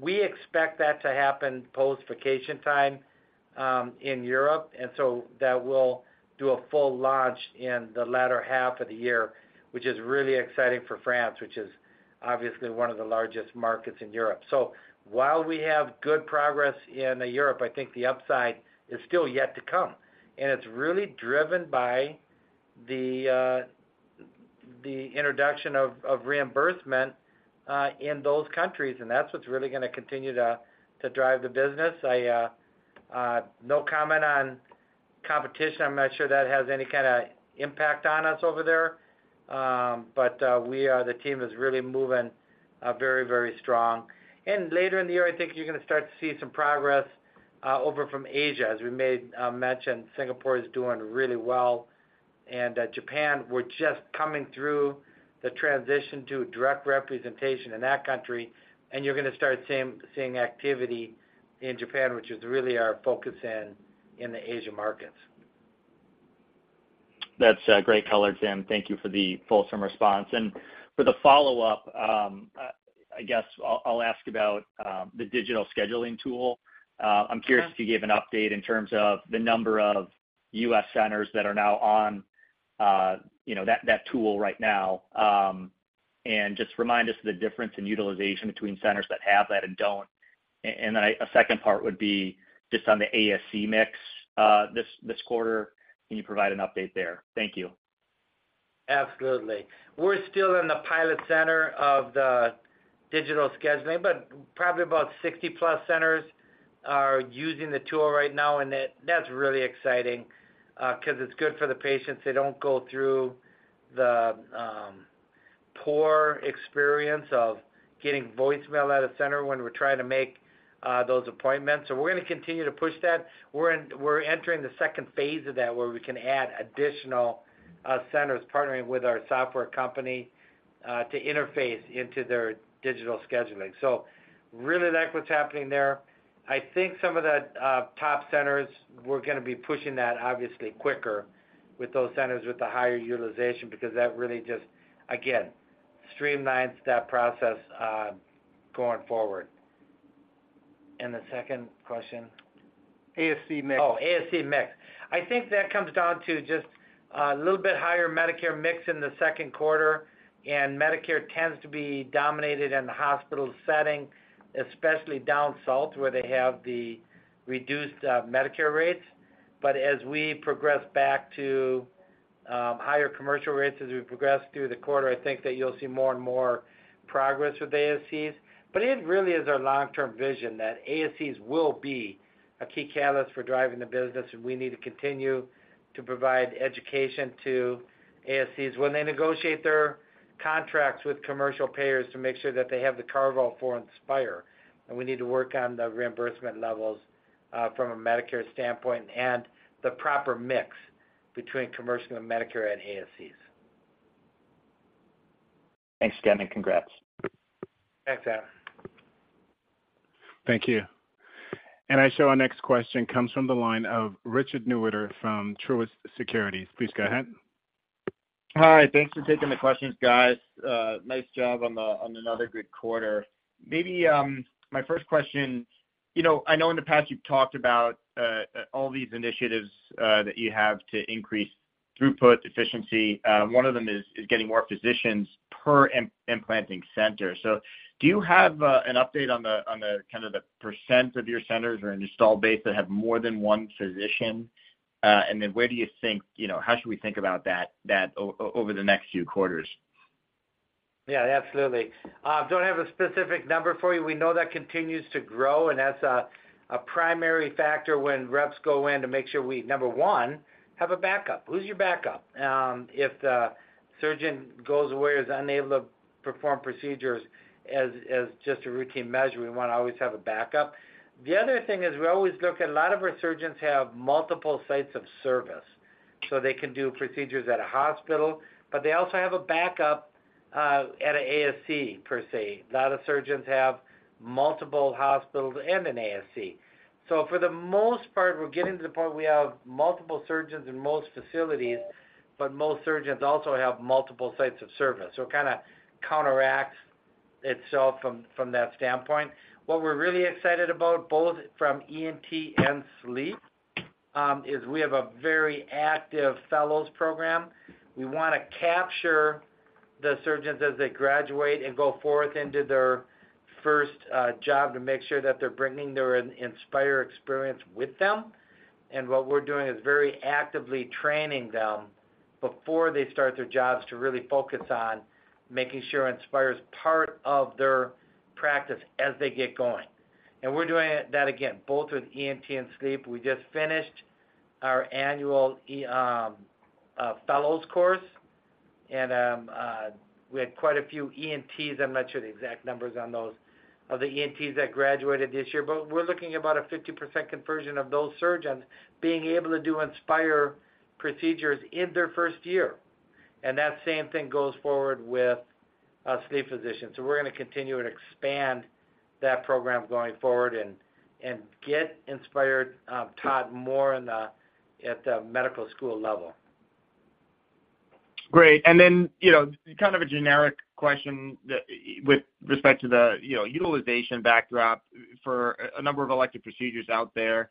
We expect that to happen post-vacation time in Europe, and so that will do a full launch in the latter half of the year, which is really exciting for France, which is obviously one of the largest markets in Europe. While we have good progress in Europe, I think the upside is still yet to come, and it's really driven by the introduction of reimbursement in those countries, and that's what's really gonna continue to drive the business. I no comment on competition. I'm not sure that has any kinda impact on us over there. But the team is really moving very, very strong. Later in the year, I think you're gonna start to see some progress over from Asia. As we made mention, Singapore is doing really well. Japan, we're just coming through the transition to direct representation in that country, and you're gonna start seeing, seeing activity in Japan, which is really our focus in, in the Asia markets. That's great color, Tim. Thank you for the fulsome response. For the follow-up, I guess I'll, I'll ask about the digital scheduling tool. I'm curious if you gave an update in terms of the number of U.S. centers that are now on, you know, that, that tool right now, and just remind us of the difference in utilization between centers that have that and don't. Then a second part would be just on the ASC mix, this quarter. Can you provide an update there? Thank you. Absolutely. We're still in the pilot center of the digital scheduling, but probably about 60 plus centers are using the tool right now, and that, that's really exciting, because it's good for the patients. They don't go through the poor experience of getting voicemail at a center when we're trying to make those appointments. We're gonna continue to push that. We're entering the second phase of that, where we can add additional centers, partnering with our software company, to interface into their digital scheduling. Really like what's happening there. I think some of the top centers, we're gonna be pushing that obviously quicker with those centers with the higher utilization, because that really just, again, streamlines that process, going forward. The second question? ASC mix. ASC mix. I think that comes down to just a little bit higher Medicare mix in the second quarter, and Medicare tends to be dominated in the hospital setting, especially down South, where they have the reduced Medicare rates. As we progress back to higher commercial rates, as we progress through the quarter, I think that you'll see more and more progress with ASCs. It really is our long-term vision that ASCs will be a key catalyst for driving the business, and we need to continue to provide education to ASCs when they negotiate their contracts with commercial payers to make sure that they have the cargo for Inspire, and we need to work on the reimbursement levels from a Medicare standpoint and the proper mix between commercial and Medicare at ASCs. Thanks again. Congrats. Thanks, Aaron. Thank you. I show our next question comes from the line of Richard Newitter from Truist Securities. Please go ahead. Hi, thanks for taking the questions, guys. Nice job on another good quarter. Maybe, my first question, you know, I know in the past you've talked about all these initiatives that you have to increase throughput, efficiency. One of them is getting more physicians per implanting center. Do you have an update on the kind of the percent of your centers or installed base that have more than one physician? Then where do you think, you know, how should we think about that over the next few quarters? Yeah, absolutely. Don't have a specific number for you. We know that continues to grow, and that's a, a primary factor when reps go in to make sure we, number one, have a backup. Who's your backup? If the surgeon goes away or is unable to perform procedures, as, as just a routine measure, we wanna always have a backup. The other thing is we always look at a lot of our surgeons have multiple sites of service, so they can do procedures at a hospital, but they also have a backup, at an ASC per se. A lot of surgeons have multiple hospitals and an ASC. So, for the most part, we're getting to the point where we have multiple surgeons in most facilities, but most surgeons also have multiple sites of service. So, it kinda counteracts itself from, from that standpoint. What we're really excited about, both from ENT and Sleep, is we have a very active fellows program. We wanna capture the surgeons as they graduate and go forth into their first job to make sure that they're bringing their Inspire experience with them. What we're doing is very actively training them before they start their jobs to really focus on making sure Inspire is part of their practice as they get going. We're doing that again, both with ENT and Sleep. We just finished our annual fellows course, and we had quite a few ENTs. I'm not sure the exact numbers on those, of the ENTs that graduated this year, but we're looking about a 50% conversion of those surgeons being able to do Inspire procedures in their first year. That same thing goes forward with sleep physicians. We're gonna continue to expand that program going forward and, and get Inspire taught more in the, at the medical school level. Great. Then, you know, kind of a generic question that, with respect to the, you know, utilization backdrop for a number of elective procedures out there,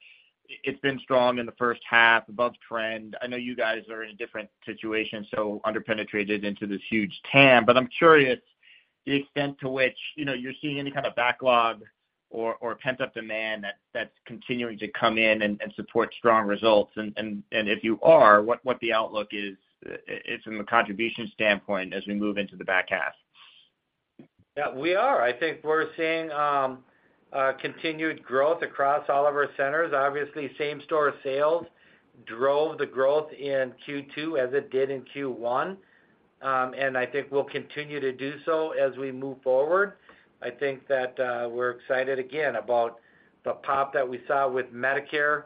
it's been strong in the first half, above trend. I know you guys are in a different situation, so underpenetrated into this huge TAM. I'm curious the extent to which, you know, you're seeing any kind of backlog or pent-up demand that's continuing to come in and support strong results. If you are, what the outlook is from a contribution standpoint as we move into the back half. Yeah, we are. I think we're seeing continued growth across all of our centers. Obviously, same store sales drove the growth in Q2 as it did in Q1. I think we'll continue to do so as we move forward. I think that we're excited again about the pop that we saw with Medicare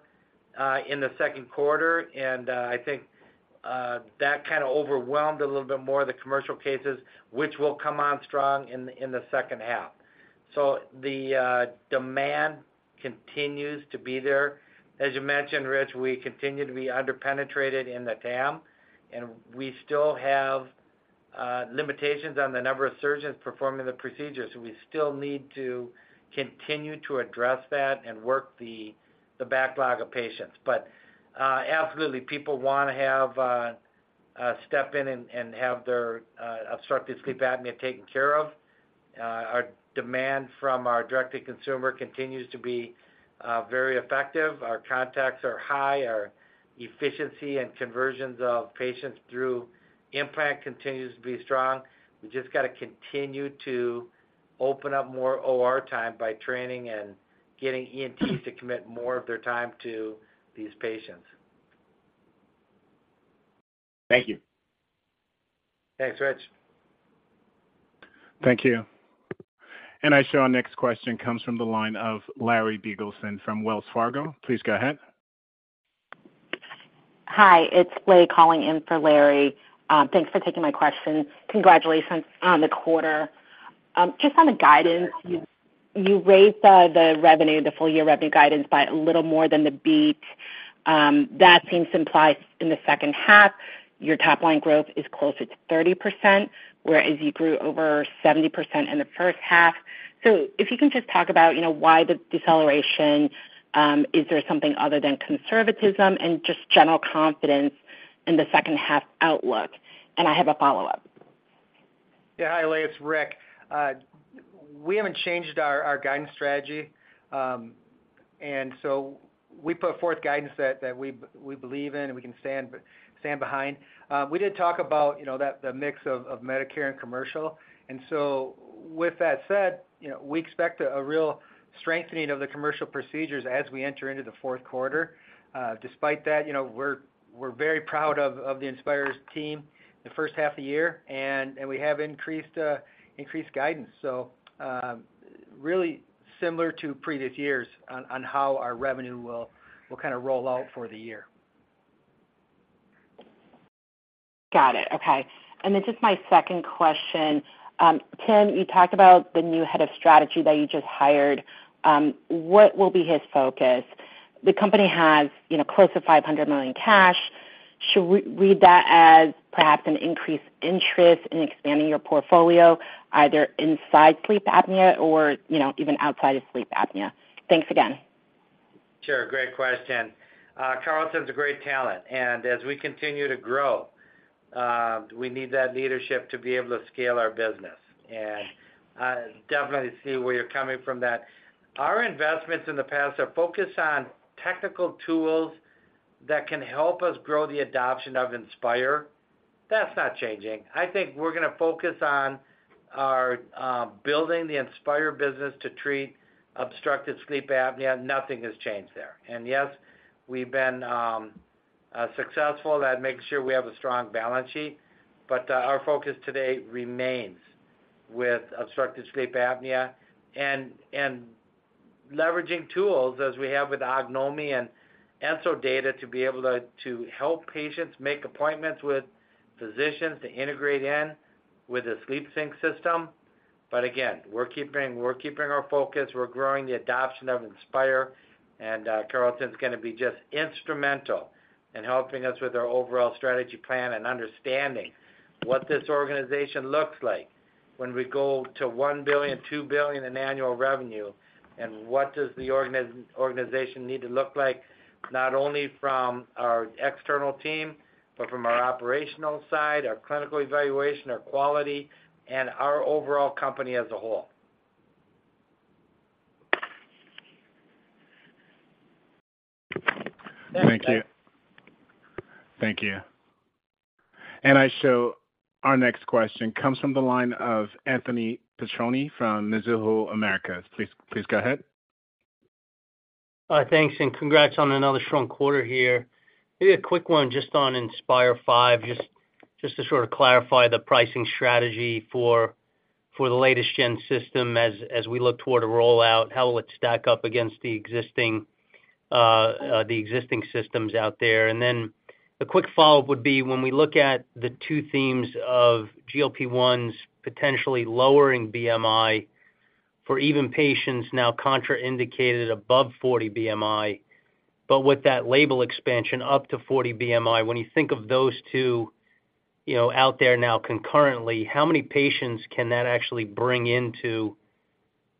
in the second quarter, and I think that kinda overwhelmed a little bit more of the commercial cases, which will come on strong in the second half. The demand continues to be there. As you mentioned, Rich, we continue to be underpenetrated in the TAM, and we still have limitations on the number of surgeons performing the procedures, so we still need to continue to address that and work the backlog of patients. Absolutely, people wanna have, step in and, and have their, obstructive sleep apnea taken care of. Our demand from our direct-to-consumer continues to be very effective. Our contacts are high, our efficiency and conversions of patients through IMPACT continues to be strong. We just got to continue to open up more OR time by training and getting ENTs to commit more of their time to these patients. Thank you. Thanks, Rich. Thank you. I show our next question comes from the line of Larry Biegelsen from Wells Fargo. Please go ahead. Hi, it's Leigh calling in for Larry. Thanks for taking my question. Congratulations on the quarter. Just on the guidance, you raised the revenue, the full year revenue guidance by a little more than the beat. That seems implied in the second half. Your top line growth is closer to 30%, whereas you grew over 70% in the first half. If you can just talk about, you know, why the deceleration, is there something other than conservatism and just general confidence in the second half outlook? I have a follow-up. Yeah. Hi, Leigh, it's Rick. We haven't changed our guidance strategy, and so we put forth guidance that we believe in and we can stand behind. We did talk about, you know, that the mix of Medicare and commercial. With that said, you know, we expect a real strengthening of the commercial procedures as we enter into the fourth quarter. Despite that, you know, we're very proud of the Inspire's team the first half of the year, and we have increased increased guidance. Really similar to previous years on how our revenue will kind of roll out for the year. Got it. Okay. Just my second question. Tim, you talked about the new Head of Strategy that you just hired. What will be his focus? The company has, you know, close to $500 million cash. Should we read that as perhaps an increased interest in expanding your portfolio, either inside sleep apnea or, you know, even outside of sleep apnea? Thanks again. Sure. Great question. Carlton's a great talent, as we continue to grow, we need that leadership to be able to scale our business. I definitely see where you're coming from that. Our investments in the past are focused on technical tools that can help us grow the adoption of Inspire. That's not changing. I think we're gonna focus on our building the Inspire business to treat obstructive sleep apnea. Nothing has changed there. Yes, we've been successful at making sure we have a strong balance sheet, but our focus today remains with obstructive sleep apnea and leveraging tools, as we have with Ognomy and EnsoData, to be able to help patients make appointments with physicians, to integrate in with a SleepSync system. Again, we're keeping, we're keeping our focus, we're growing the adoption of Inspire, and Carlton's gonna be just instrumental in helping us with our overall strategy plan and understanding what this organization looks like when we go to $1 billion, $2 billion in annual revenue, and what does the organization need to look like, not only from our external team, but from our operational side, our clinical evaluation, our quality, and our overall company as a whole. Thank you. Thank you. I show our next question comes from the line of Anthony Petrone from Mizuho Americas. Please, please go ahead. Thanks, and congrats on another strong quarter here. Maybe a quick one on Inspire V, to clarify the pricing strategy for the latest gen system as we look toward a rollout, how will it stack up against the existing systems out there? The quick follow-up would be, when we look at the two themes of GLP-1s, potentially lowering BMI for even patients now contraindicated above 40 BMI, but with that label expansion up to 40 BMI, when you think of those two out there now concurrently, how many patients can that actually bring into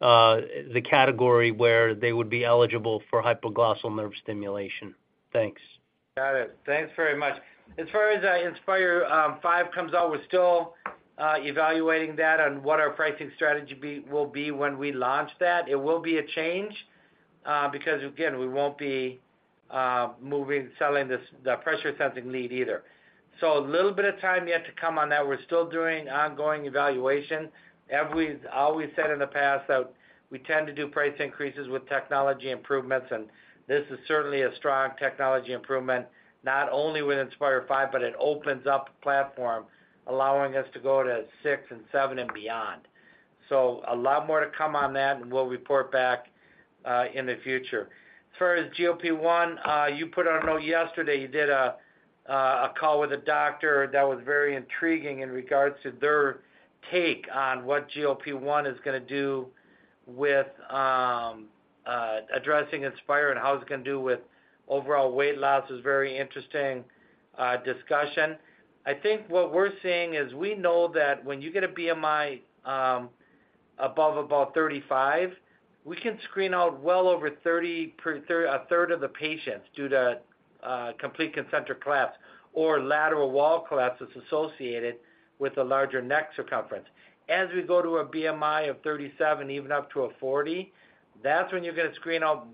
the category where they would be eligible for hypoglossal nerve stimulation? Thanks. Got it. Thanks very much. As far as Inspire V comes out, we're still evaluating that on what our pricing strategy will be when we launch that. It will be a change, because again, we won't be moving, selling this, the pressure sensing lead either. A little bit of time yet to come on that. We're still doing ongoing evaluation. I always said in the past that we tend to do price increases with technology improvements, and this is certainly a strong technology improvement, not only with Inspire V, but it opens up the platform, allowing us to go to six and seven and beyond. A lot more to come on that, and we'll report back in the future. As far as GLP-1, you put out a note yesterday, you did a call with a doctor that was very intriguing in regard to their take on what GLP-1 is gonna do with addressing Inspire and how it's gonna do with overall weight loss. It was a very interesting discussion. I think what we're seeing is, we know that when you get a BMI above about 35, we can screen out well over 30, per third, a third of the patients due to complete concentric collapse or lateral wall collapse that's associated with a larger neck circumference. As we go to a BMI of 37, even up to a 40, that's when you're gonna screen out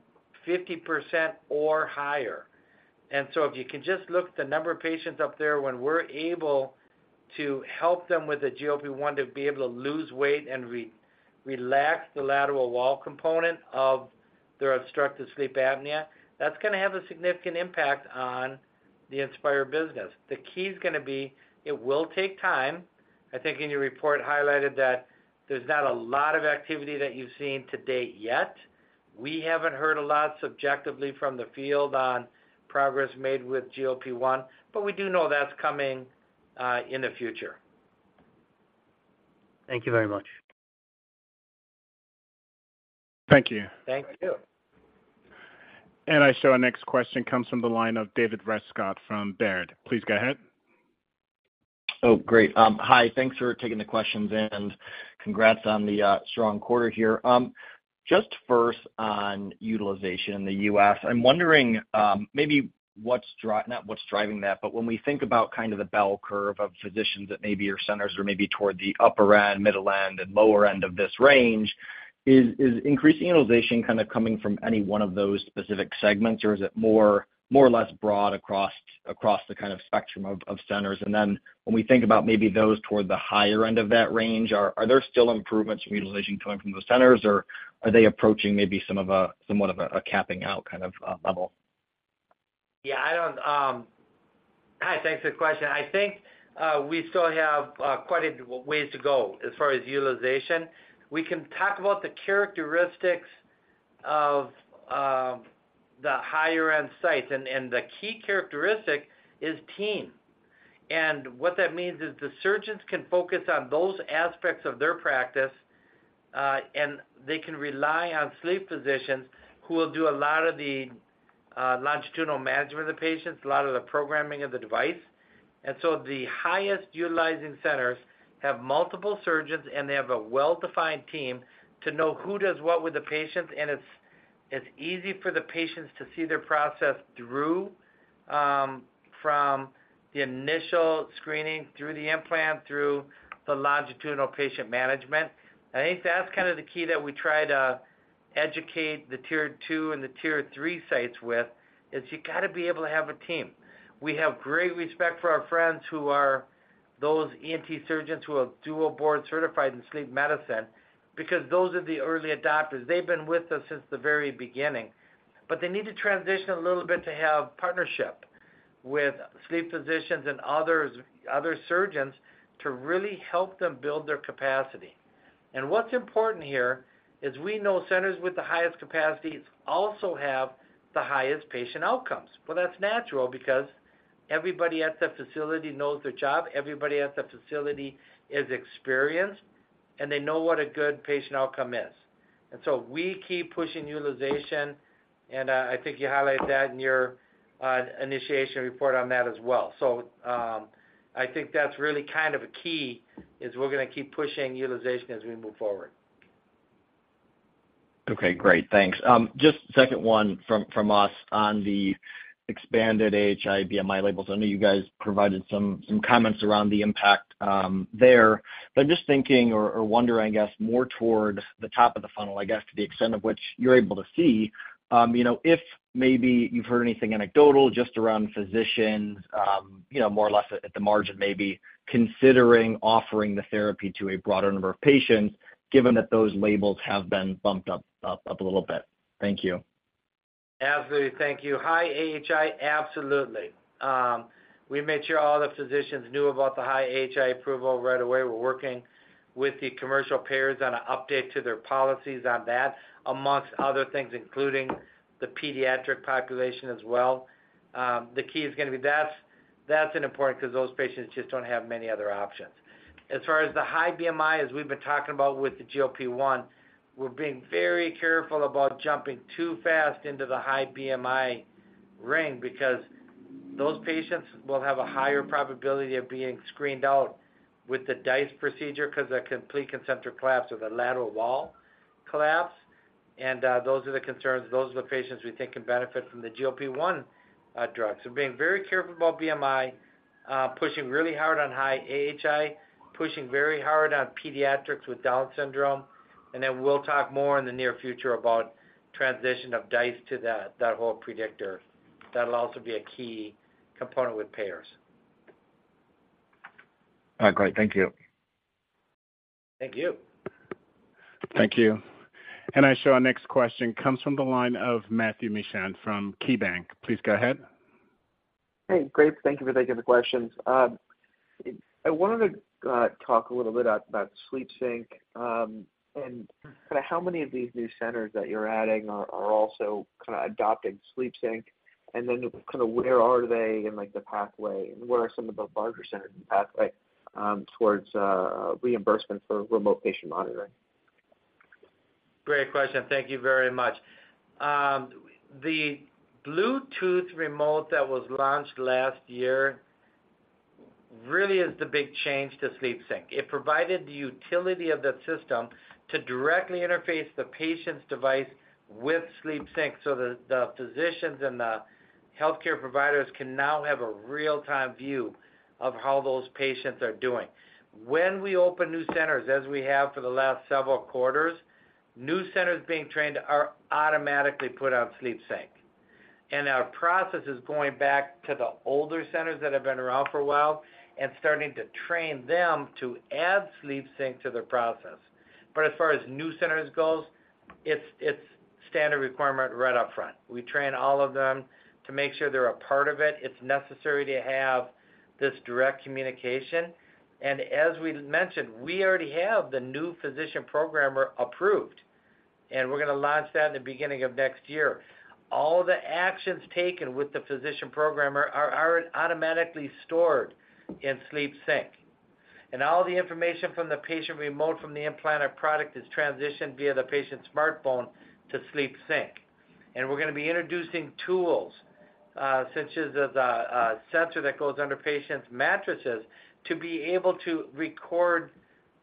50% or higher. So, if you can just look at the number of patients up there, when we're able-... to help them with the GLP-1 to be able to lose weight and re-relax the lateral wall component of their obstructive sleep apnea, that's gonna have a significant impact on the Inspire business. The key is gonna be, it will take time. I think in your report highlighted that there's not a lot of activity that you've seen to date yet. We haven't heard a lot subjectively from the field on progress made with GLP-1, but we do know that's coming in the future. Thank you very much. Thank you. Thank you. I show our next question comes from the line of David Rescott from Baird. Please go ahead. Oh, great. Hi, thanks for taking the questions, and congrats on the strong quarter here. Just first on utilization in the U.S., I'm wondering, maybe not what's driving that, but when we think about kind of the bell curve of physicians that maybe are centers or maybe toward the upper end, middle end, and lower end of this range, is increased utilization kind of coming from any one of those specific segments, or is it more, more or less broad across, across the kind of spectrum of, of centers? And then when we think about maybe those toward the higher end of that range, are, are there still improvements in utilization coming from those centers, or are they approaching maybe some of a, somewhat of a capping out kind of level? Yeah, I don't. Hi, thanks for the question. I think we still have quite a ways to go as far as utilization. We can talk about the characteristics of the higher-end sites, and, and the key characteristic is team. What that means is the surgeons can focus on those aspects of their practice, and they can rely on sleep physicians who will do a lot of the longitudinal management of the patients, a lot of the programming of the device. So, the highest utilizing centers have multiple surgeons, and they have a well-defined team to know who does what with the patients, and it's, it's easy for the patients to see their process through from the initial screening, through the implant, through the longitudinal patient management. I think that's kind of the key that we try to educate the Tier 2 and the Tier 3 sites with, is you got to be able to have a team. We have great respect for our friends who are those ENT surgeons who are dual board certified in sleep medicine, because those are the early adopters. They've been with us since the very beginning, but they need to transition a little bit to have partnership with sleep physicians and others, other surgeons to really help them build their capacity. What's important here is we know centers with the highest capacities also have the highest patient outcomes. Well, that's natural because everybody at that facility knows their job, everybody at that facility is experienced, and they know what a good patient outcome is. We keep pushing utilization, and, I think you highlighted that in your initiation report on that as well. I think that's really kind of a key, is we're gonna keep pushing utilization as we move forward. Okay, great. Thanks. just second one from, from us on the expanded AHI, BMI labels. I know you guys provided some, some comments around the impact, there. just thinking or, or wondering, I guess, more toward the top of the funnel, I guess, to the extent of which you're able to see, you know, if maybe you've heard anything anecdotal, just around physicians, you know, more or less at the margin, maybe considering offering the therapy to a broader number of patients, given that those labels have been bumped up, up, up a little bit. Thank you? Absolutely. Thank you. High AHI, absolutely. We made sure all the physicians knew about the high AHI approval right away. We're working with the commercial payers on an update to their policies on that, amongst other things, including the pediatric population as well. The key is gonna be that's, that's an important because those patients just don't have many other options. As far as the high BMI, as we've been talking about with the GLP-1, we're being very careful about jumping too fast into the high BMI ring because those patients will have a higher probability of being screened out with the DISE procedure because a complete concentric collapse or the lateral wall collapse, and those are the concerns. Those are the patients we think can benefit from the GLP-1 drug. We're being very careful about BMI, pushing really hard on high AHI, pushing very hard on pediatrics with Down syndrome, and then we'll talk more in the near future about transition of DISE to that, that whole predictor. That'll also be a key component with payers. Great. Thank you. Thank you. Thank you. I show our next question comes from the line of Matthew Mishan from KeyBanc. Please go ahead. Hey, great. Thank you for taking the questions. I wanted to talk a little bit about SleepSync, and kind of how many of these new centers that you're adding are, are also kind of adopting SleepSync, and then kind of where are they in, like, the pathway, and what are some of the larger centers in the pathway, towards reimbursement for remote patient monitoring? Great question. Thank you very much. The Bluetooth remote that was launched last year really is the big change to SleepSync. It provided the utility of the system to directly interface the patient's device with SleepSync, so the the physicians and the healthcare providers can now have a real-time view of how those patients are doing. When we open new centers, as we have for the last several quarters, new centers being trained are automatically put on SleepSync. Our process is going back to the older centers that have been around for a while and starting to train them to add SleepSync to their process. As far as new centers goes, it's it's standard requirement right up front. We train all of them to make sure they're a part of it. It's necessary to have this direct communication. As we mentioned, we already have the new physician programmer approved, and we're gonna launch that in the beginning of next year. All the actions taken with the physician programmer are automatically stored in SleepSync, and all the information from the patient remote from the implanted product is transitioned via the patient's smartphone to SleepSync. We're gonna be introducing tools, such as the sensor that goes under patients' mattresses, to be able to record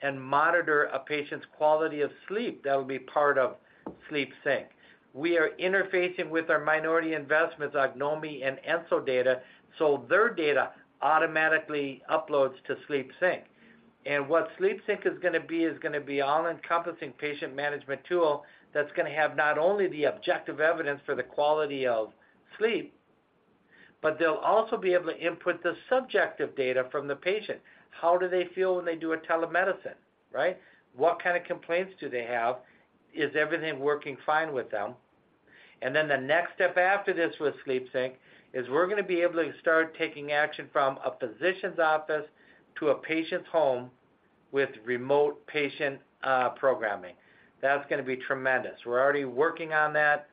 and monitor a patient's quality of sleep. That'll be part of SleepSync. We are interfacing with our minority investments, Ognomy and EnsoData, so their data automatically uploads to SleepSync. What SleepSync is gonna be, is gonna be all-encompassing patient management tool that's gonna have not only the objective evidence for the quality of sleep, but they'll also be able to input the subjective data from the patient. How do they feel when they do a telemedicine, right? What kind of complaints do they have? Is everything working fine with them? Then the next step after this with SleepSync, is we're gonna be able to start taking action from a physician's office to a patient's home with remote patient programming. That's gonna be tremendous. We're already working on that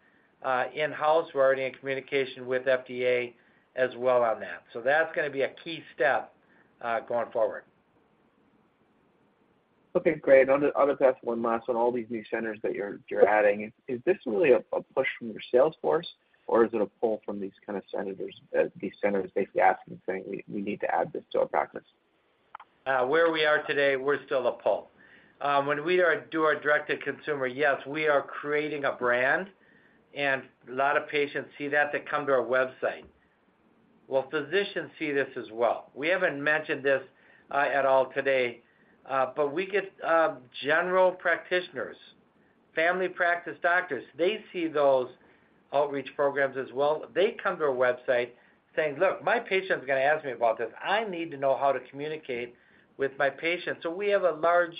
in-house. We're already in communication with FDA as well on that. That's gonna be a key step going forward. Okay, great. I'll just ask one last on all these new centers that you're, you're adding. Is this really a, a push from your sales force, or is it a pull from these centers basically asking, saying, "We, we need to add this to our practice? Where we are today, we're still a pull. When we are do our direct-to-consumer, yes, we are creating a brand, and a lot of patients see that. They come to our website. Well, physicians see this as well. We haven't mentioned this at all today, but we get general practitioners, family practice doctors, they see those outreach programs as well. They come to our website saying: Look, my patient's gonna ask me about this. I need to know how to communicate with my patients. We have a large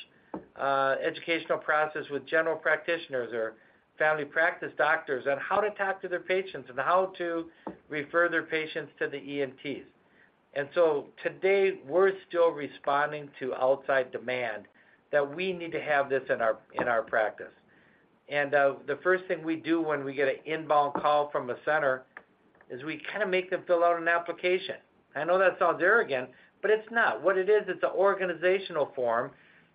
educational process with general practitioners or family practice doctors on how to talk to their patients and how to refer their patients to the ENTs. Today, we're still responding to outside demand that we need to have this in our, in our practice. The first thing we do when we get an inbound call from a center, is we kind of make them fill out an application. I know that sounds arrogant, but it's not. What it is, it's an organizational form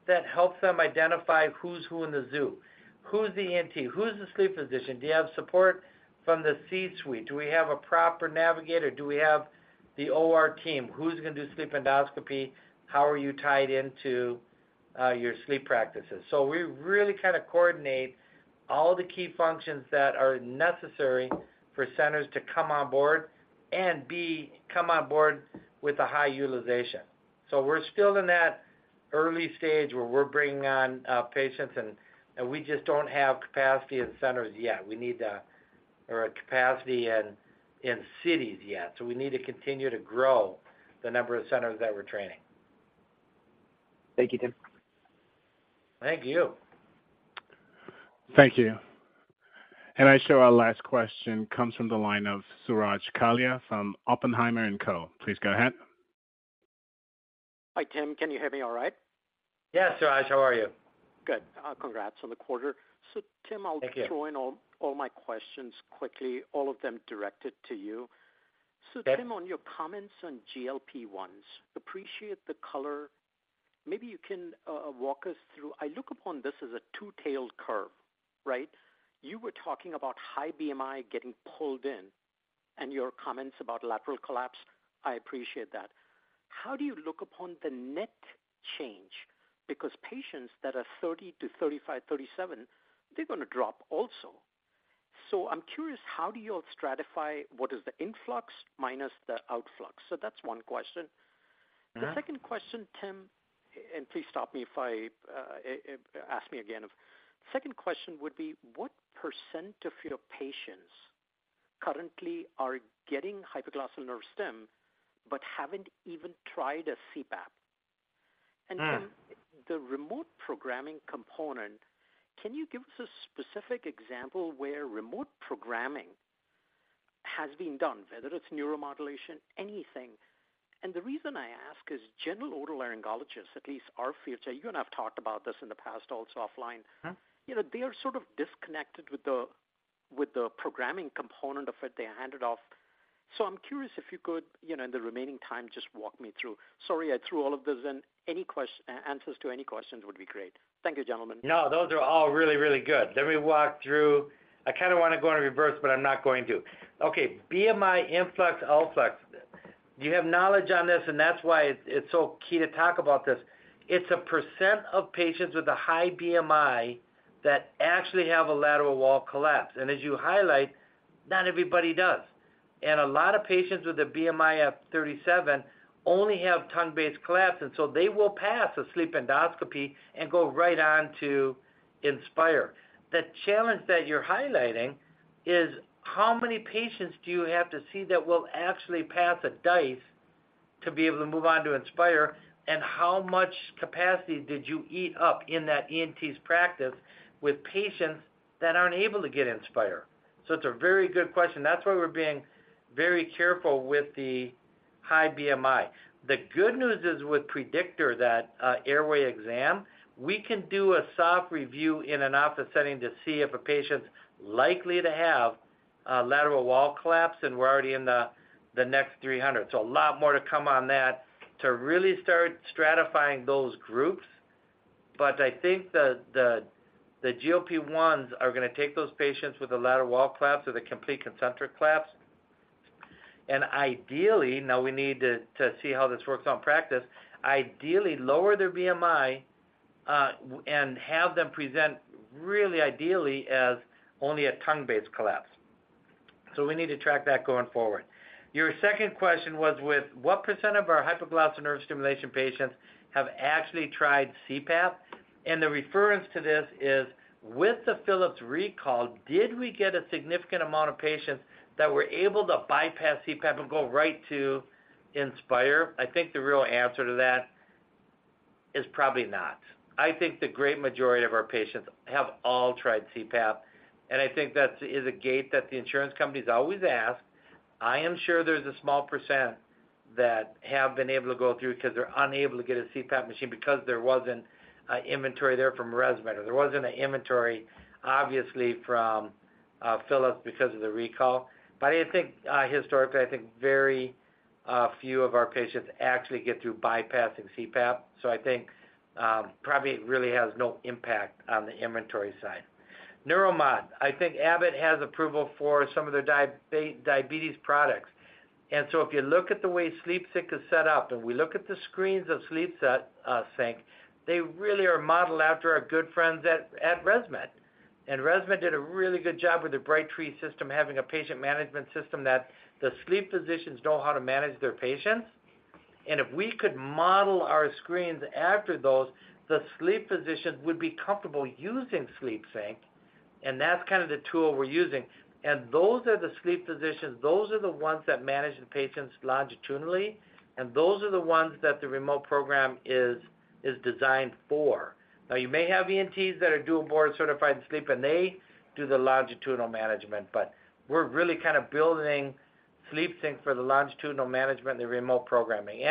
that helps them identify who's who in the zoo. Who's the ENT? Who's the sleep physician? Do you have support from the C-suite? Do we have a proper navigator? Do we have the OR team? Who's gonna do sleep endoscopy? How are you tied into your sleep practices? We really kind of coordinate all the key functions that are necessary for centers to come on board and B, come on board with a high utilization. We're still in that early stage where we're bringing on patients and, and we just don't have capacity in centers yet. We need the... or a capacity in, in cities yet. We need to continue to grow the number of centers that we're training. Thank you, Tim. Thank you. Thank you. I show our last question comes from the line of Suraj Kalia from Oppenheimer & Co. Please go ahead. Hi, Tim. Can you hear me all right? Yes, Suraj, how are you? Good. Congrats on the quarter. Tim- Thank you. I'll just throw in all my questions quickly, all of them directed to you. Okay. Tim, on your comments on GLP-1s, appreciate the color. Maybe you can walk us through. I look upon this as a two-tailed curve, right? You were talking about high BMI getting pulled in, and your comments about lateral collapse, I appreciate that. How do you look upon the net change? Because patients that are 30 to 35, 37, they're gonna drop also. I'm curious, how do you all stratify what is the influx minus the outflux? That's one question. Mm-hmm. The second question, Tim. Please stop me if I ask me again. Second question would be, what % of your patients currently are getting hypoglossal nerve stim, but haven't even tried a CPAP? Hmm. Tim, the remote programming component, can you give us a specific example where remote programming has been done, whether it's Neuromodulation, anything? The reason I ask is general otolaryngologists, at least our field, you and I have talked about this in the past, also offline- Mm-hmm. you know, they are sort of disconnected with the, with the programming component of it. They hand it off. I'm curious if you could, you know, in the remaining time, just walk me through. Sorry, I threw all of this in. Any quest- answers to any questions would be great. Thank you, gentlemen. No, those are all really, really good. Let me walk through... I kind of want to go in reverse, but I'm not going to. Okay, BMI influx, outflux. You have knowledge on this, and that's why it's, it's so key to talk about this. It's a % of patients with a high BMI that actually have a lateral wall collapse. As you highlight, not everybody does. A lot of patients with a BMI of 37 only have tongue-based collapse, so they will pass a sleep endoscopy and go right on to Inspire. The challenge that you're highlighting is how many patients do you have to see that will actually pass a DISE to be able to move on to Inspire? How much capacity did you eat up in that ENT's practice with patients that aren't able to get Inspire? It's a very good question. That's why we're being very careful with the high BMI. The good news is, with PREDICTOR, that airway exam, we can do a soft review in an office setting to see if a patient's likely to have a lateral wall collapse, and we're already in the, the next 300. A lot more to come on that to really start stratifying those groups. I think the, the, the GLP-1s are going to take those patients with a lateral wall collapse or the complete concentric collapse. Ideally, now we need to, to see how this works on practice, ideally, lower their BMI and have them present, really, ideally, as only a tongue-based collapse. We need to track that going forward. Your second question was with what percent of our hypoglossal nerve stimulation patients have actually tried CPAP? The reference to this is, with the Philips recall, did we get a significant amount of patients that were able to bypass CPAP and go right to Inspire? I think the real answer to that is probably not. I think the great majority of our patients have all tried CPAP, and I think that's is a gate that the insurance companies always ask. I am sure there's a small percent that have been able to go through because they're unable to get a CPAP machine because there wasn't inventory there from ResMed, or there wasn't an inventory, obviously, from Philips because of the recall. I think, historically, I think very few of our patients actually get through bypassing CPAP, so I think probably it really has no impact on the inventory side. Neuromodulation. I think Abbott has approval for some of their diabetes products. So if you look at the way SleepSync is set up, and we look at the screens of SleepSync, they really are modeled after our good friends at ResMed. ResMed did a really good job with the Brightree system, having a patient management system that the sleep physicians know how to manage their patients. If we could model our screens after those, the sleep physicians would be comfortable using SleepSync, and that's kind of the tool we're using. Those are the sleep physicians, those are the ones that manage the patients longitudinally, and those are the ones that the remote program is designed for. You may have ENTs that are dual board-certified in sleep, and they do the longitudinal management, but we're really kind of building SleepSync for the longitudinal management and the remote programming.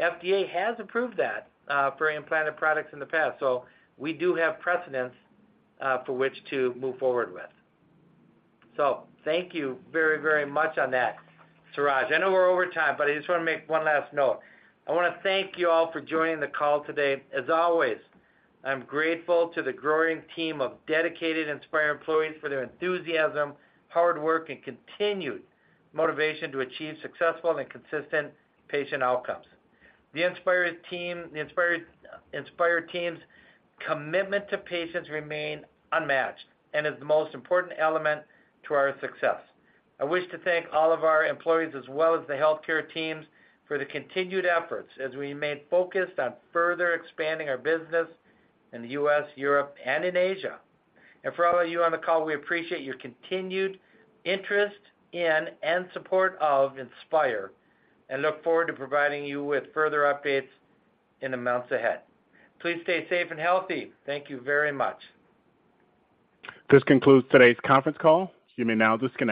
FDA has approved that for implanted products in the past, so we do have precedence for which to move forward with. Thank you very, very much on that, Suraj. I know we're over time, but I just want to make one last note. I want to thank you all for joining the call today. As always, I'm grateful to the growing team of dedicated Inspire employees for their enthusiasm, hard work, and continued motivation to achieve successful and consistent patient outcomes. The Inspire team's commitment to patients remain unmatched and is the most important element to our success. I wish to thank all of our employees, as well as the healthcare teams, for the continued efforts as we remain focused on further expanding our business in the U.S., Europe, and in Asia. For all of you on the call, we appreciate your continued interest in and support of Inspire and look forward to providing you with further updates in the months ahead. Please stay safe and healthy. Thank you very much. This concludes today's conference call. You may now disconnect.